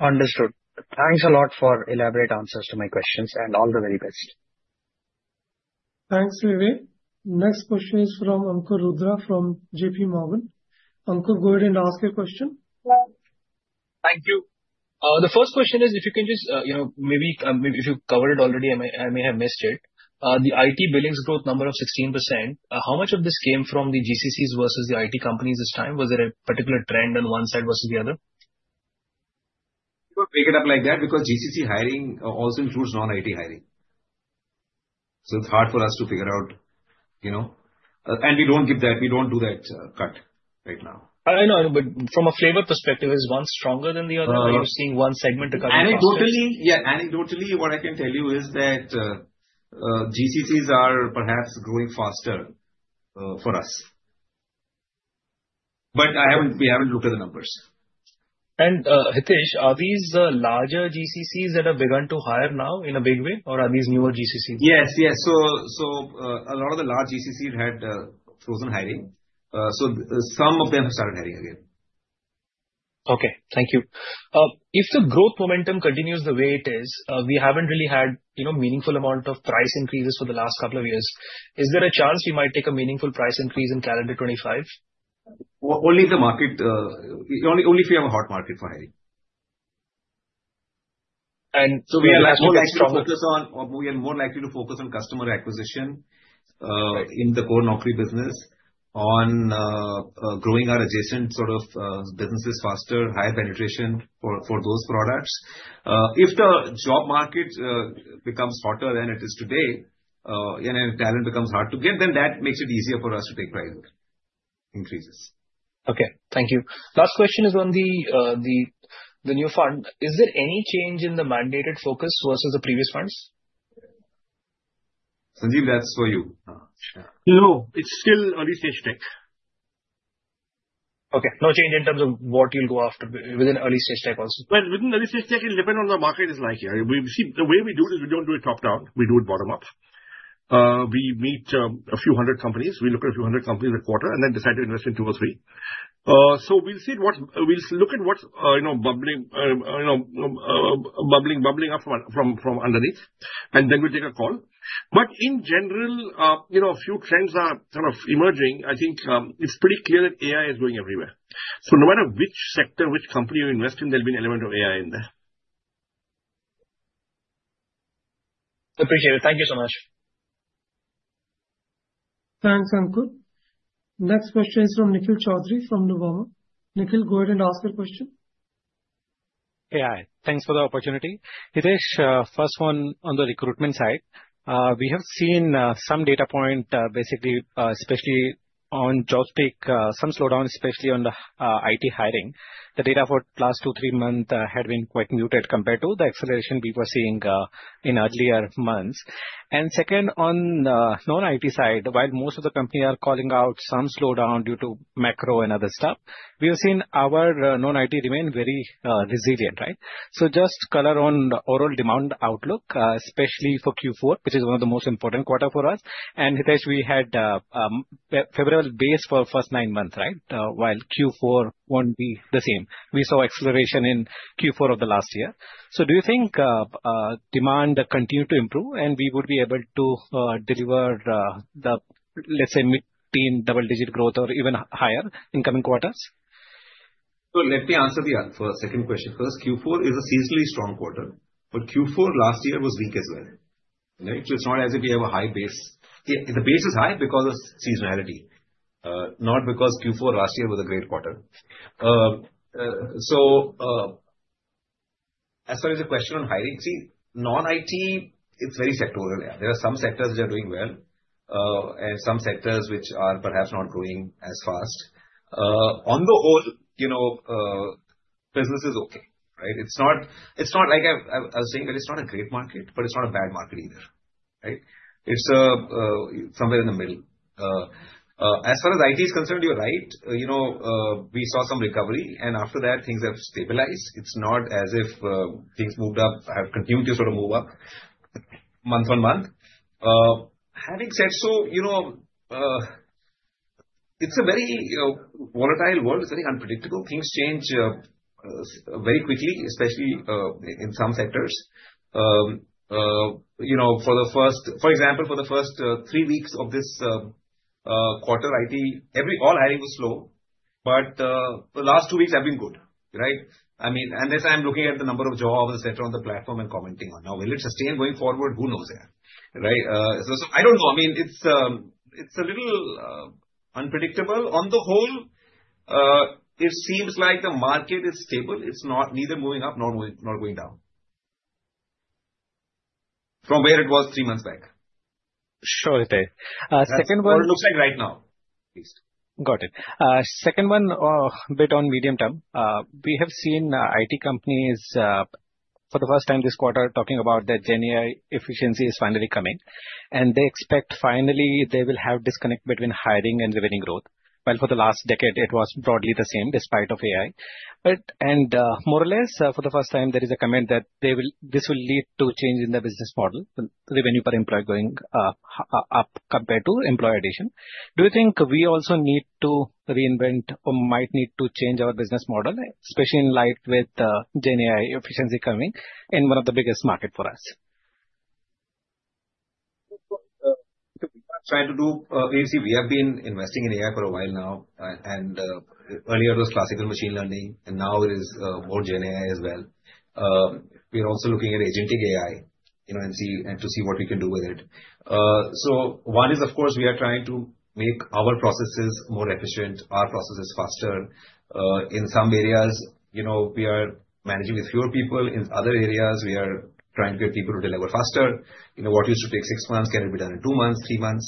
Understood. Thanks a lot for elaborate answers to my questions and all the very best. Thanks, Vivek. Next question is from Ankur Rudra from JP Morgan. Ankur, go ahead and ask your question. Thank you. The first question is, if you can just, maybe if you covered it already, I may have missed it. The IT billings growth number of 16%, how much of this came from the GCCs versus the IT companies this time? Was there a particular trend on one side versus the other? We could make it up like that because GCC hiring also includes non-IT hiring. So it's hard for us to figure out. And we don't give that, we don't do that cut right now. I know, but from a flavor perspective, is one stronger than the other? Are you seeing one segment recovering faster? Anecdotally, yeah, anecdotally, what I can tell you is that GCCs are perhaps growing faster for us. But we haven't looked at the numbers. And Hitesh, are these larger GCCs that have begun to hire now in a big way? Or are these newer GCCs? Yes, yes. So a lot of the large GCCs had frozen hiring. So some of them have started hiring again. Okay. Thank you. If the growth momentum continues the way it is, we haven't really had meaningful amount of price increases for the last couple of years. Is there a chance we might take a meaningful price increase in calendar 2025? Only if the market, only if we have a hot market for hiring. And so we are more likely to focus on, we are more likely to focus on customer acquisition in the core Naukri business, on growing our adjacent sort of businesses faster, higher penetration for those products. If the job market becomes hotter than it is today, and talent becomes hard to get, then that makes it easier for us to take price increases. Okay. Thank you. Last question is on the new fund. Is there any change in the mandated focus versus the previous funds? Sanjeev, that's for you. No, it's still early stage tech. Okay. No change in terms of what you'll go after within early stage tech also? Well, within early stage tech, it depends on what the market is like. We see the way we do it is we don't do it top down. We do it bottom up. We meet a few hundred companies. We look at a few hundred companies a quarter and then decide to invest in two or three. So we'll see what we'll look at what's bubbling, bubbling, bubbling up from underneath. And then we'll take a call. But in general, a few trends are sort of emerging. I think it's pretty clear that AI is going everywhere. So no matter which sector, which company you invest in, there'll be an element of AI in there. Appreciate it. Thank you so much. Thanks, Ankur. Next question is from Nikhil Choudhary from Nuvama. Nikhil, go ahead and ask your question. Hey, hi. Thanks for the opportunity. Hitesh, first one on the recruitment side. We have seen some data point, basically, especially on JobSpeak, some slowdown, especially on the IT hiring. The data for the last two, three months had been quite muted compared to the acceleration we were seeing in earlier months. And second, on the non-IT side, while most of the company are calling out some slowdown due to macro and other stuff, we have seen our non-IT remain very resilient, right? So just color on the overall demand outlook, especially for Q4, which is one of the most important quarters for us. And Hitesh, we had a favorable base for the first nine months, right? While Q4 won't be the same. We saw acceleration in Q4 of the last year. So do you think demand continued to improve and we would be able to deliver the, let's say, mid-teen double-digit growth or even higher in coming quarters? So let me answer the second question first. Q4 is a seasonally strong quarter, but Q4 last year was weak as well. It's not as if we have a high base. The base is high because of seasonality, not because Q4 last year was a great quarter. So as far as the question on hiring, see, non-IT, it's very sectoral. There are some sectors which are doing well and some sectors which are perhaps not growing as fast. On the whole, business is okay, right? It's not like I was saying, but it's not a great market, but it's not a bad market either, right? It's somewhere in the middle. As far as IT is concerned, you're right. We saw some recovery, and after that, things have stabilized. It's not as if things moved up, have continued to sort of move up month on month. Having said so, it's a very volatile world. It's very unpredictable. Things change very quickly, especially in some sectors. For example, for the first three weeks of this quarter, IT, all hiring was slow, but the last two weeks have been good, right? I mean, unless I'm looking at the number of jobs, etc., on the platform and commenting on now, will it sustain going forward? Who knows that, right? So I don't know. I mean, it's a little unpredictable. On the whole, it seems like the market is stable. It's not neither moving up, nor going down from where it was three months back. Sure, Hitesh. Second one? Or it looks like right now, at least. Got it. Second one, a bit on medium term. We have seen IT companies for the first time this quarter talking about that GenAI efficiency is finally coming. And they expect finally they will have disconnect between hiring and revenue growth. Well, for the last decade, it was broadly the same despite AI. And more or less, for the first time, there is a comment that this will lead to change in the business model, revenue per employee going up compared to employee addition. Do you think we also need to reinvent or might need to change our business model, especially in light of GenAI efficiency coming in one of the biggest markets for us? We are trying to do. We have been investing in AI for a while now. And earlier, it was classical machine learning, and now it is more GenAI as well. We are also looking at agentic AI and to see what we can do with it. So one is, of course, we are trying to make our processes more efficient, our processes faster. In some areas, we are managing with fewer people. In other areas, we are trying to get people to deliver faster. What used to take six months can be done in two months, three months.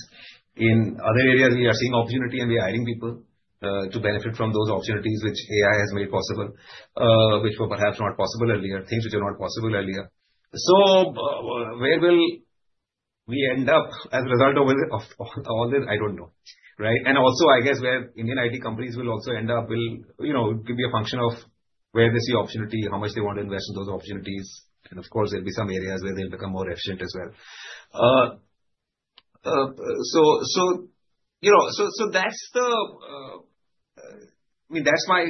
In other areas, we are seeing opportunity and we are hiring people to benefit from those opportunities which AI has made possible, which were perhaps not possible earlier, things which are not possible earlier. So where will we end up as a result of all this? I don't know, right? And also, I guess where Indian IT companies will also end up will be a function of where they see opportunity, how much they want to invest in those opportunities. And of course, there'll be some areas where they'll become more efficient as well. So that's the, I mean, that's my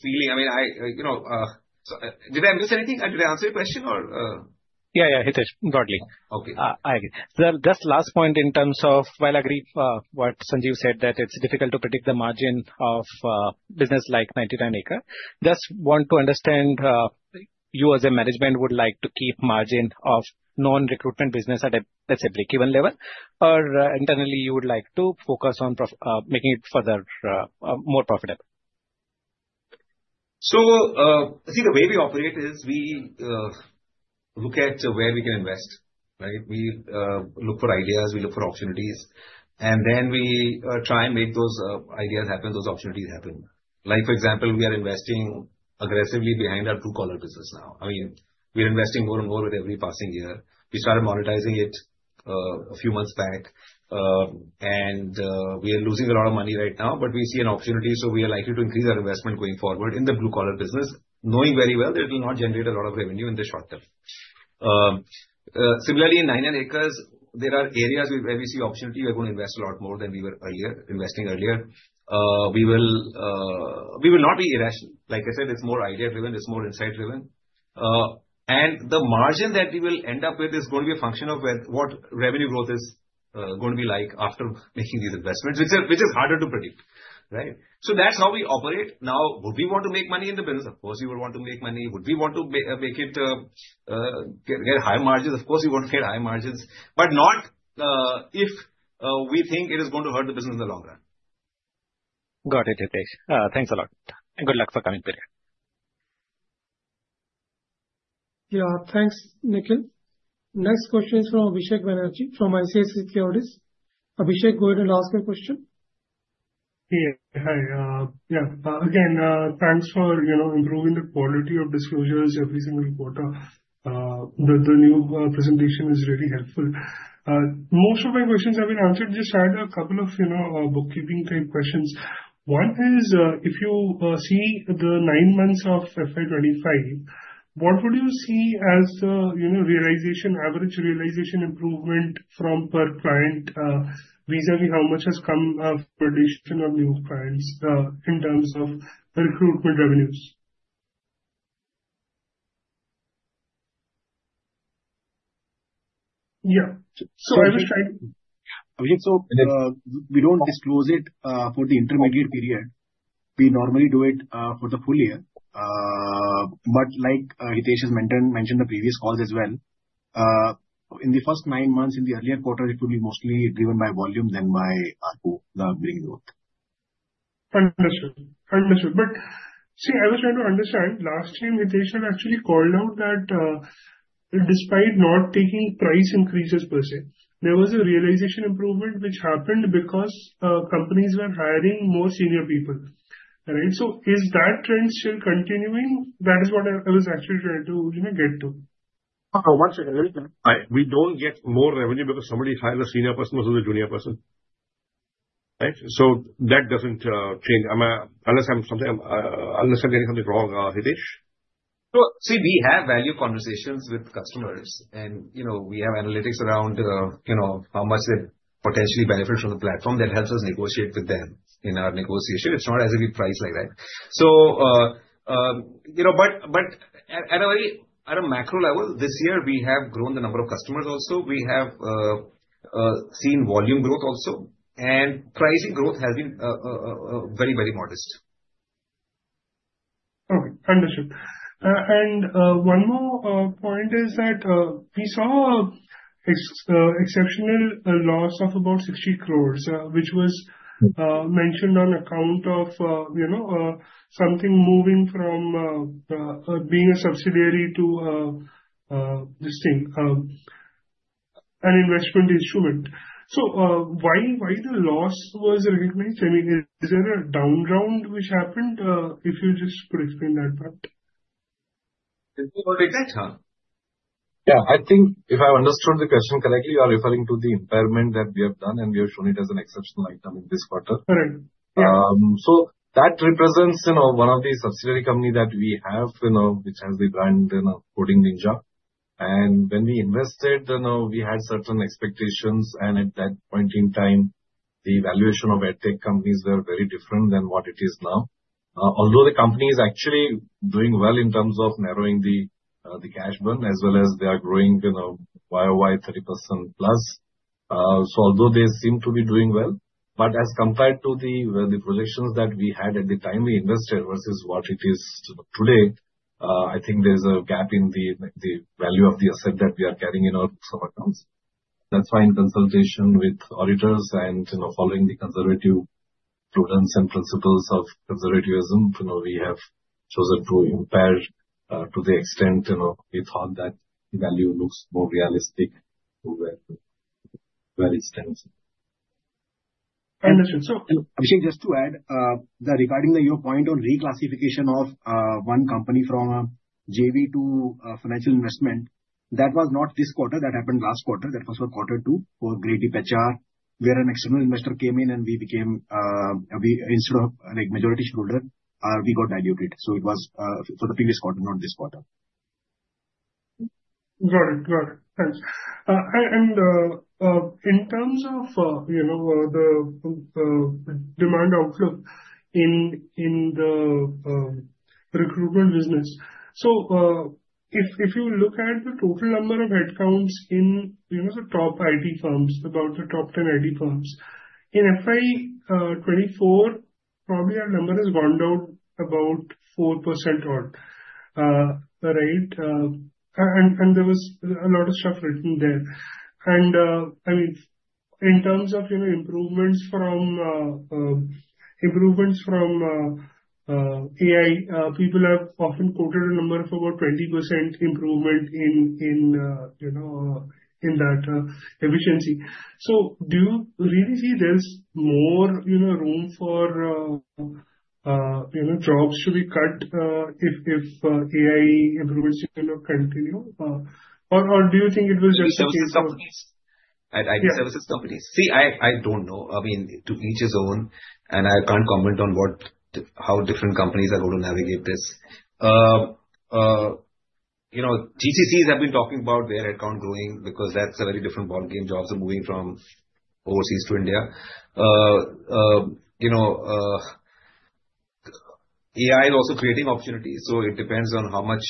feeling. I mean, did I miss anything? Did I answer your question or? Yeah, yeah, Hitesh, broadly. Okay. I agree. So just last point in terms of, well, I agree with what Sanjeev said that it's difficult to predict the margin of business like 99acres. Just want to understand you as a management would like to keep margin of non-recruitment business at a break-even level, or internally, you would like to focus on making it further more profitable? So I think the way we operate is we look at where we can invest, right? We look for ideas, we look for opportunities, and then we try and make those ideas happen, those opportunities happen. Like for example, we are investing aggressively behind our blue-collar business now. I mean, we're investing more and more with every passing year. We started monetizing it a few months back, and we are losing a lot of money right now, but we see an opportunity, so we are likely to increase our investment going forward in the blue-collar business, knowing very well that it will not generate a lot of revenue in the short term. Similarly, in 99acres, there are areas where we see opportunity. We are going to invest a lot more than we were earlier, investing earlier. We will not be irrational. Like I said, it's more idea-driven, it's more insight-driven. And the margin that we will end up with is going to be a function of what revenue growth is going to be like after making these investments, which is harder to predict, right? So that's how we operate. Now, would we want to make money in the business? Of course, we would want to make money. Would we want to get high margins? Of course, we want to get high margins, but not if we think it is going to hurt the business in the long run. Got it, Hitesh. Thanks a lot. And good luck for coming period. Yeah, thanks, Nikhil. Next question is from Abhisek Banerjee from ICICI Securities. Abhisek, go ahead and ask your question. Yeah, hi. Yeah, again, thanks for improving the quality of disclosures every single quarter. The new presentation is really helpful. Most of my questions have been answered. Just had a couple of bookkeeping-type questions. One is, if you see the nine months of FY 2025, what would you see as the average realization improvement from per client vis-à-vis how much has come of the addition of new clients in terms of recruitment revenues? Yeah. So I was trying to, Abhisek, so we don't disclose it for the intermediate period. We normally do it for the full year. But like Hitesh has mentioned in the previous calls as well, in the first nine months, in the earlier quarters, it will be mostly driven by volume than by the billing growth. Understood. Understood. But see, I was trying to understand last time, Hitesh had actually called out that despite not taking price increases per se, there was a realization improvement which happened because companies were hiring more senior people, right? So is that trend still continuing? That is what I was actually trying to get to. One second. We don't get more revenue because somebody hires a senior person versus a junior person, right? So that doesn't change. Unless I'm getting something wrong, Hitesh? So see, we have value conversations with customers, and we have analytics around how much they potentially benefit from the platform that helps us negotiate with them in our negotiation. It's not as if we price like that. But at a macro level, this year, we have grown the number of customers also. We have seen volume growth also. And pricing growth has been very, very modest. Okay. Understood. And one more point is that we saw exceptional loss of about 60 crores, which was mentioned on account of something moving from being a subsidiary to this thing, an investment instrument. So why the loss was recognized? I mean, is there a down round which happened? If you just could explain that part. Yeah, I think if I understood the question correctly, you are referring to the impairment that we have done, and we have shown it as an exceptional item in this quarter. So that represents one of the subsidiary companies that we have, which has the brand Coding Ninjas. And when we invested, we had certain expectations. And at that point in time, the valuation of EdTech companies were very different than what it is now. Although the company is actually doing well in terms of narrowing the cash burn as well as they are growing YoY 30% plus. So although they seem to be doing well, but as compared to the projections that we had at the time we invested versus what it is today, I think there's a gap in the value of the asset that we are carrying in our book of accounts. That's why in consultation with auditors and following the conservative prudence and principles of conservatism, we have chosen to impair to the extent we thought that the value looks more realistic to where it stands. Understood. So Abhisek, just to add, regarding your point on reclassification of one company from JV to financial investment, that was not this quarter. That happened last quarter. That was for quarter two for Greytip HR, where an external investor came in and we became, instead of majority shareholder, we got diluted. So it was for the previous quarter, not this quarter. Got it. Got it. Thanks. And in terms of the demand outlook in the recruitment business, so if you look at the total number of headcounts in the top IT firms, about the top 10 IT firms, in FY 2024, probably our number has gone down about 4% odd, right? There was a lot of stuff written there. I mean, in terms of improvements from AI, people have often quoted a number of about 20% improvement in that efficiency. Do you really see there's more room for jobs to be cut if AI improvements continue? Or do you think it will just be IT services companies? See, I don't know. I mean, to each his own, and I can't comment on how different companies are going to navigate this. GCCs have been talking about their headcount growing because that's a very different ballgame. Jobs are moving from overseas to India. AI is also creating opportunities. It depends on how much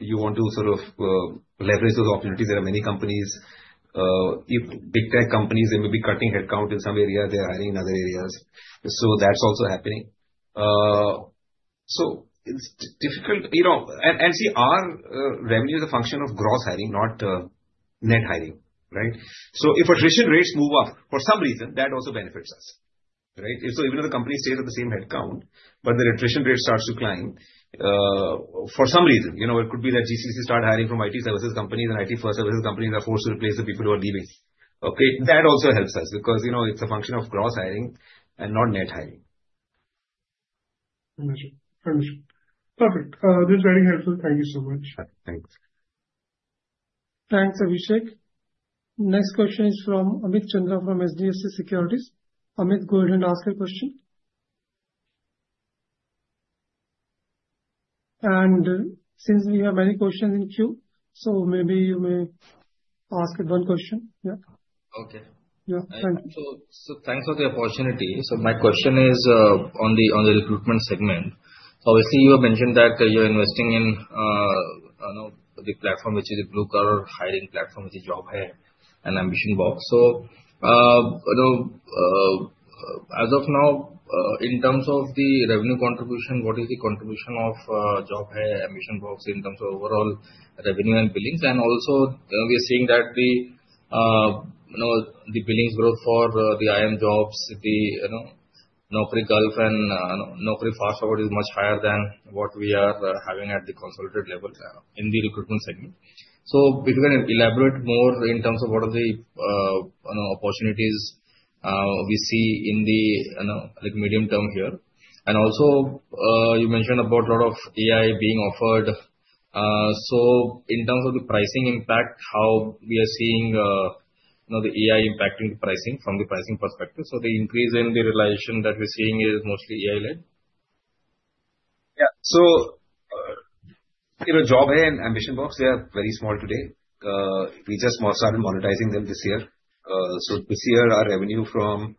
you want to sort of leverage those opportunities. There are many companies, big tech companies. They may be cutting headcount in some areas. They're hiring in other areas. That's also happening. So it's difficult. And see, our revenue is a function of gross hiring, not net hiring, right? So if attrition rates move up for some reason, that also benefits us, right? So even if the company stays at the same headcount, but the attrition rate starts to climb for some reason, it could be that GCCs start hiring from IT services companies, and IT services companies are forced to replace the people who are leaving. Okay? That also helps us because it's a function of gross hiring and not net hiring. Understood. Understood. Perfect. This is very helpful. Thank you so much. Thanks. Thanks, Abhishek. Next question is from Amit Chandra from HDFC Securities. Amit, go ahead and ask your question. And since we have many questions in queue, so maybe you may ask it one question. Yeah? Okay. Yeah. Thanks. So thanks for the opportunity. My question is on the recruitment segment. Obviously, you have mentioned that you are investing in the platform, which is a blue-collar hiring platform, which is Job Hai and AmbitionBox. As of now, in terms of the revenue contribution, what is the contribution of Job Hai, AmbitionBox in terms of overall revenue and billings? And also, we are seeing that the billings growth for the iimjobs, the Naukri Gulf and Naukri FastForward is much higher than what we are having at the consolidated level in the recruitment segment. If you can elaborate more in terms of what are the opportunities we see in the medium term here. And also, you mentioned about a lot of AI being offered. In terms of the pricing impact, how we are seeing the AI impacting the pricing from the pricing perspective? So the increase in the realization that we're seeing is mostly AI-led? Yeah. So Job Hai and AmbitionBox, they are very small today. We just started monetizing them this year. So this year, our revenue from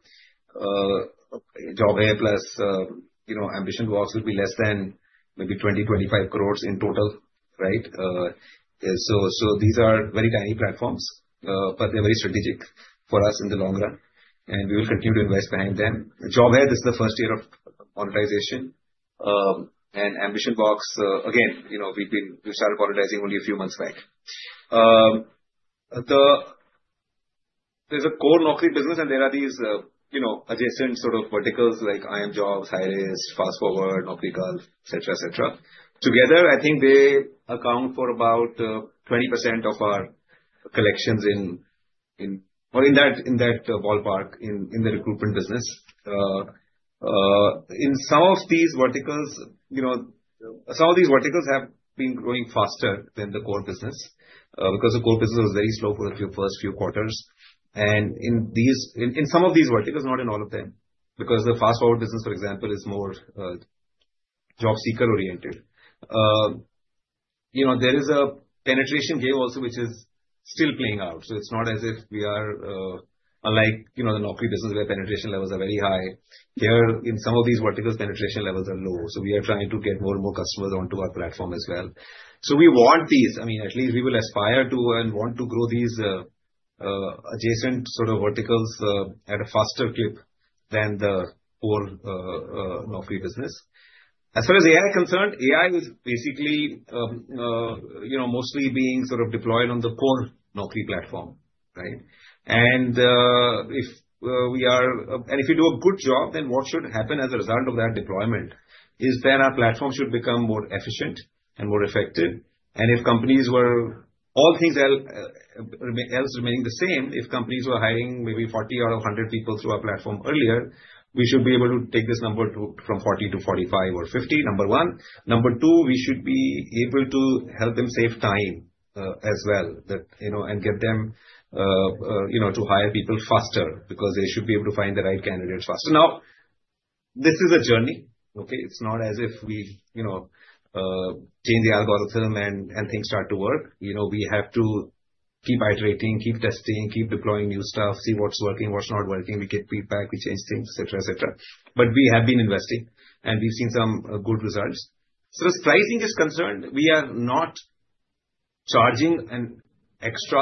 Job Hai plus AmbitionBox will be less than maybe 20-25 crores in total, right? So these are very tiny platforms, but they're very strategic for us in the long run. And we will continue to invest behind them. Job Hai, this is the first year of monetization. And AmbitionBox, again, we started monetizing only a few months back. There's a core Naukri business, and there are these adjacent sort of verticals like iimjobs, Hirist, FastForward, Naukri Gulf, etc., etc. Together, I think they account for about 20% of our collections in that ballpark in the recruitment business. In some of these verticals, some of these verticals have been growing faster than the core business because the core business was very slow for the first few quarters, and in some of these verticals, not in all of them, because the FastForward business, for example, is more job seeker-oriented. There is a penetration gain also, which is still playing out. So it's not as if we are unlike the Naukri business, where penetration levels are very high. Here, in some of these verticals, penetration levels are low. So we are trying to get more and more customers onto our platform as well. So we want these, I mean, at least we will aspire to and want to grow these adjacent sort of verticals at a faster clip than the core Naukri business. As far as AI is concerned, AI is basically mostly being sort of deployed on the core Naukri platform, right? And if you do a good job, then what should happen as a result of that deployment is then our platform should become more efficient and more effective. And all things else remaining the same, if companies were hiring maybe 40 or 100 people through our platform earlier, we should be able to take this number from 40 to 45 or 50, number one. Number two, we should be able to help them save time as well and get them to hire people faster because they should be able to find the right candidates faster. Now, this is a journey, okay? It's not as if we change the algorithm and things start to work. We have to keep iterating, keep testing, keep deploying new stuff, see what's working, what's not working. We get feedback, we change things, etc., etc., but we have been investing, and we've seen some good results, so as pricing is concerned, we are not charging extra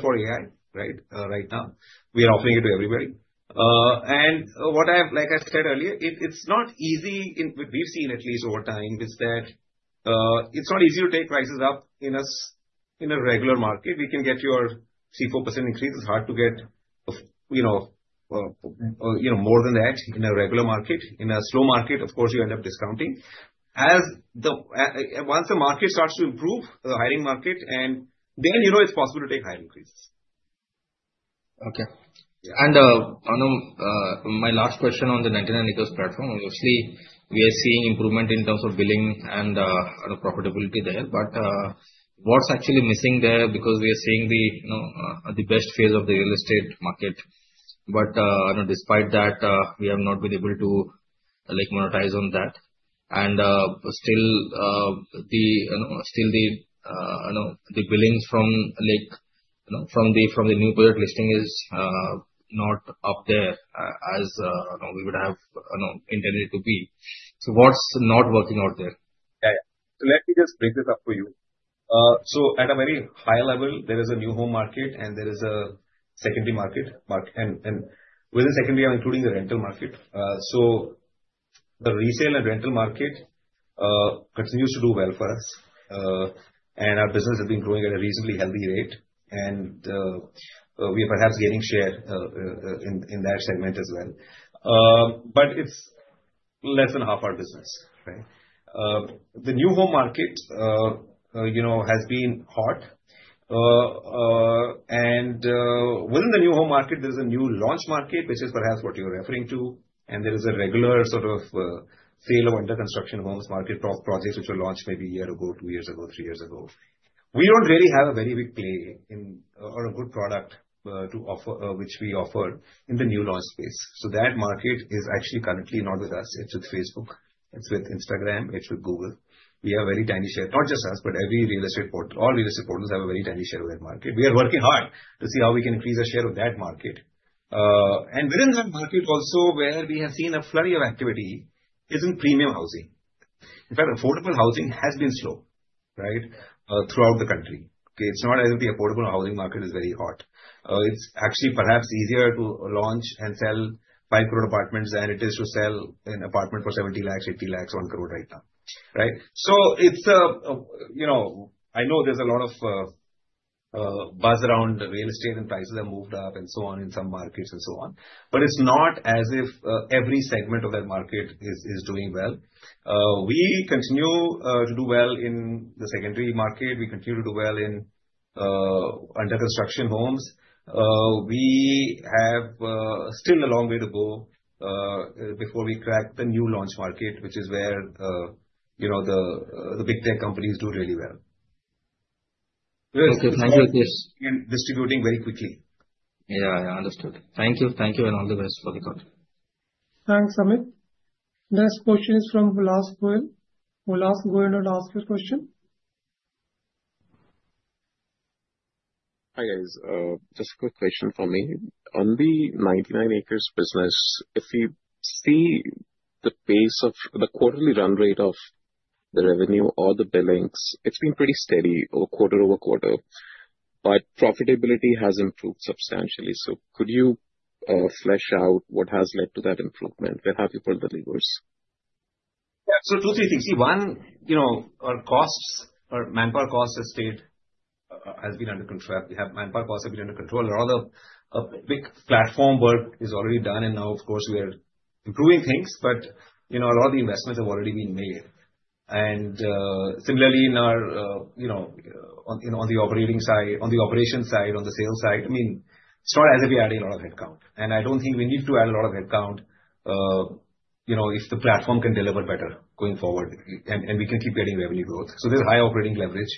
for AI, right? Right now, we are offering it to everybody. And what I have, like I said earlier, it's not easy. We've seen at least over time is that it's not easy to take prices up in a regular market. We can get your 3%-4% increase. It's hard to get more than that in a regular market. In a slow market, of course, you end up discounting. Once the market starts to improve, the hiring market, and then it's possible to take higher increases. Okay, and my last question on the 99acres platform. Obviously, we are seeing improvement in terms of billing and profitability there. But what's actually missing there because we are seeing the best phase of the real estate market? But despite that, we have not been able to monetize on that. And still, the billings from the new project listing is not up there as we would have intended it to be. So what's not working out there? Yeah. So let me just break this up for you. So at a very high level, there is a new home market, and there is a secondary market. And within secondary, I'm including the rental market. So the resale and rental market continues to do well for us. And our business has been growing at a reasonably healthy rate. And we are perhaps gaining share in that segment as well. But it's less than half our business, right? The new home market has been hot, and within the new home market, there's a new launch market, which is perhaps what you're referring to, and there is a regular sort of sale of under-construction homes market projects, which were launched maybe a year ago, two years ago, three years ago. We don't really have a very big play or a good product to offer, which we offer in the new launch space, so that market is actually currently not with us. It's with Facebook. It's with Instagram. It's with Google. We have a very tiny share. Not just us, but every real estate portal. All real estate portals have a very tiny share of that market. We are working hard to see how we can increase our share of that market, and within that market also, where we have seen a flurry of activity is in premium housing. In fact, affordable housing has been slow, right, throughout the country. Okay? It's not as if the affordable housing market is very hot. It's actually perhaps easier to launch and sell five-crore apartments than it is to sell an apartment for 70 lakhs, 80 lakhs, one crore right now, right? So I know there's a lot of buzz around real estate and prices have moved up and so on in some markets and so on. But it's not as if every segment of that market is doing well. We continue to do well in the secondary market. We continue to do well in under-construction homes. We have still a long way to go before we crack the new launch market, which is where the big tech companies do really well. Okay. Thank you, Abhishek. We are distributing very quickly. Yeah. Yeah. Understood. Thank you. Thank you. And all the best for the talk. Thanks, Amit. Next question is from Vilas Govind. Vilas Govind, would you ask your question? Hi, guys. Just a quick question for me. On the 99acres business, if you see the pace of the quarterly run rate of the revenue or the billings, it's been pretty steady quarter over quarter. But profitability has improved substantially. So could you flesh out what has led to that improvement? Where have you pulled the levers? Yeah. So two or three things. See, one, our costs or manpower costs have been under control. We have manpower costs that have been under control. A lot of big platform work is already done. And now, of course, we are improving things. But a lot of the investments have already been made. Similarly, on the operating side, on the operation side, on the sales side, I mean, it's not as if we are adding a lot of headcount. I don't think we need to add a lot of headcount if the platform can deliver better going forward. We can keep getting revenue growth. There's high operating leverage,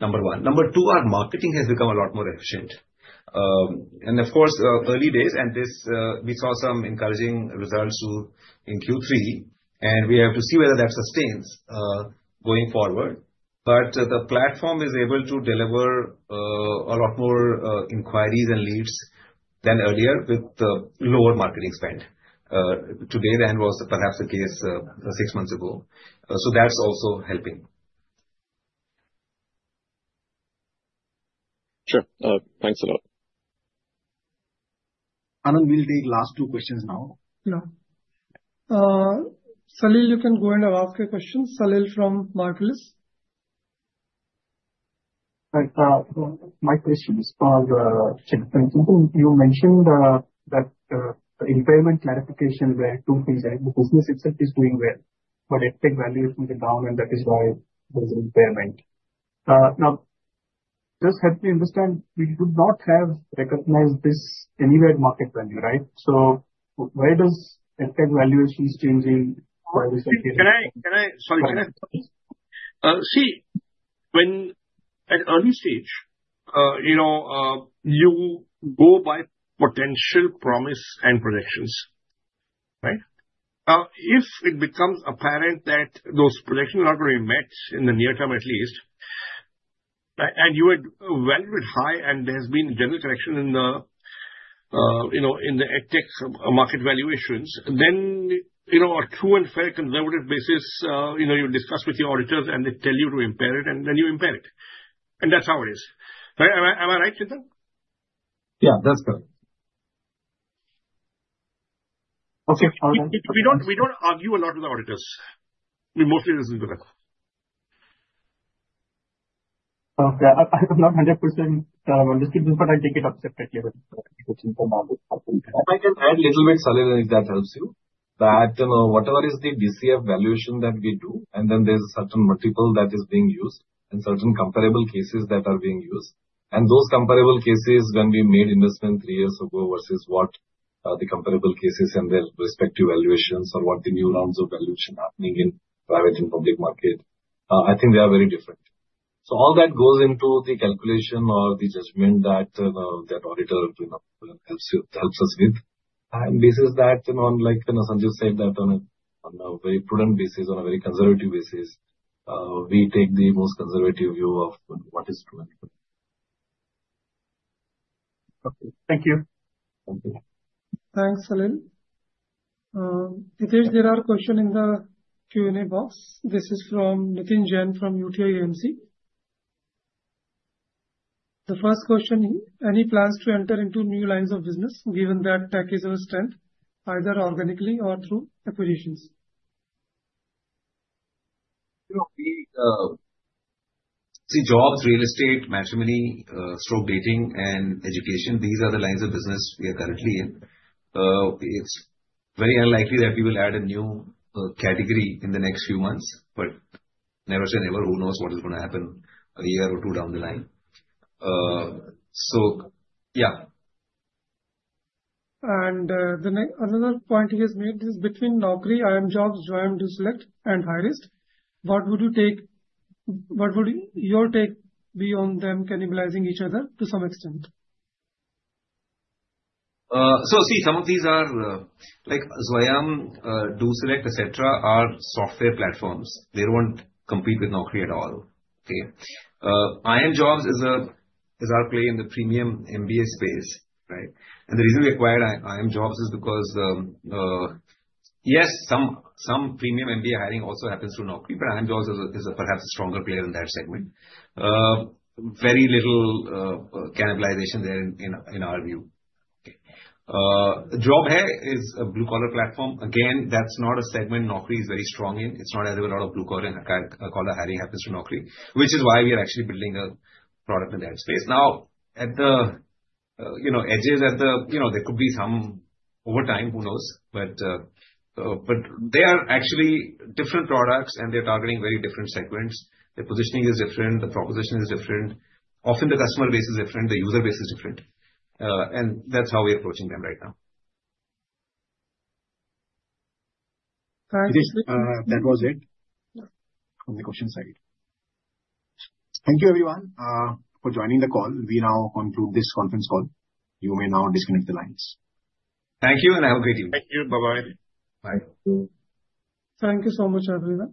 number one. Number two, our marketing has become a lot more efficient. Of course, early days, and we saw some encouraging results in Q3. We have to see whether that sustains going forward. The platform is able to deliver a lot more inquiries and leads than earlier with lower marketing spend. Today then was perhaps the case six months ago. That's also helping. Sure. Thanks a lot. Anand, we'll take last two questions now. Yeah. Salil, you can go ahead and ask your question. Salil from Marcellus. My question is for Chintan. You mentioned that the impairment clarification where two things are. The business itself is doing well, but EdTech valuation is down, and that is why there's an impairment. Now, just help me understand. We would not have recognized this anywhere in market value, right? So where does EdTech valuation is changing for this? Can I? Sorry. See, at early stage, you go by potential promise and projections, right? If it becomes apparent that those projections are not going to be met in the near term at least, and you had valued high and there has been a general correction in the EdTech market valuations, then on a true and fair conservative basis, you discuss with your auditors and they tell you to impair it, and then you impair it. And that's how it is. Am I right, Chintan? Yeah. That's correct. Okay. We don't argue a lot with the auditors. We mostly listen to them. Okay. I'm not 100% on this piece, but I take it up separately. If I can add a little bit, Salil, if that helps you. That whatever is the DCF valuation that we do, and then there's a certain multiple that is being used and certain comparable cases that are being used. And those comparable cases, when we made investment three years ago versus what the comparable cases and their respective valuations or what the new rounds of valuation are happening in private and public market, I think they are very different. So all that goes into the calculation or the judgment that that auditor helps us with. And based on that, like Sanjeev said, that on a very prudent basis, on a very conservative basis, we take the most conservative view of what is true. Okay. Thank you. Thank you. Thanks, Salil. If there are questions in the Q&A box, this is from Nitin Jain from UTI AMC. The first question, any plans to enter into new lines of business given that tech is a strength, either organically or through acquisitions? See, jobs, real estate, management, such as dating, and education, these are the lines of business we are currently in. It's very unlikely that we will add a new category in the next few months, but never say never. Who knows what is going to happen a year or two down the line? So yeah. And another point he has made is between Naukri, iimjobs, Zwayam, DoSelect, and Hirist, what would you take? What would your take be on them cannibalizing each other to some extent? So see, some of these are like Zwayam, DoSelect, etc., are software platforms. They don't want to compete with Naukri at all. Okay? iimjobs is our play in the premium MBA space, right? And the reason we acquired iimjobs is because, yes, some premium MBA hiring also happens through Naukri, but iimjobs is perhaps a stronger player in that segment. Very little cannibalization there in our view. Okay? Job Hai is a blue-collar platform. Again, that's not a segment Naukri is very strong in. It's not as if a lot of blue-collar hiring happens through Naukri, which is why we are actually building a product in that space. Now, at the edges at the, there could be some overtime, who knows? But they are actually different products, and they're targeting very different segments. Their positioning is different. The proposition is different. Often, the customer base is different. The user base is different. And that's how we're approaching them right now. Thank you. That was it from the question side. Thank you, everyone, for joining the call. We now conclude this conference call. You may now disconnect the lines. Thank you, and I hope great you. Thank you. Bye-bye. Bye. Thank you. Thank you so much, Adri.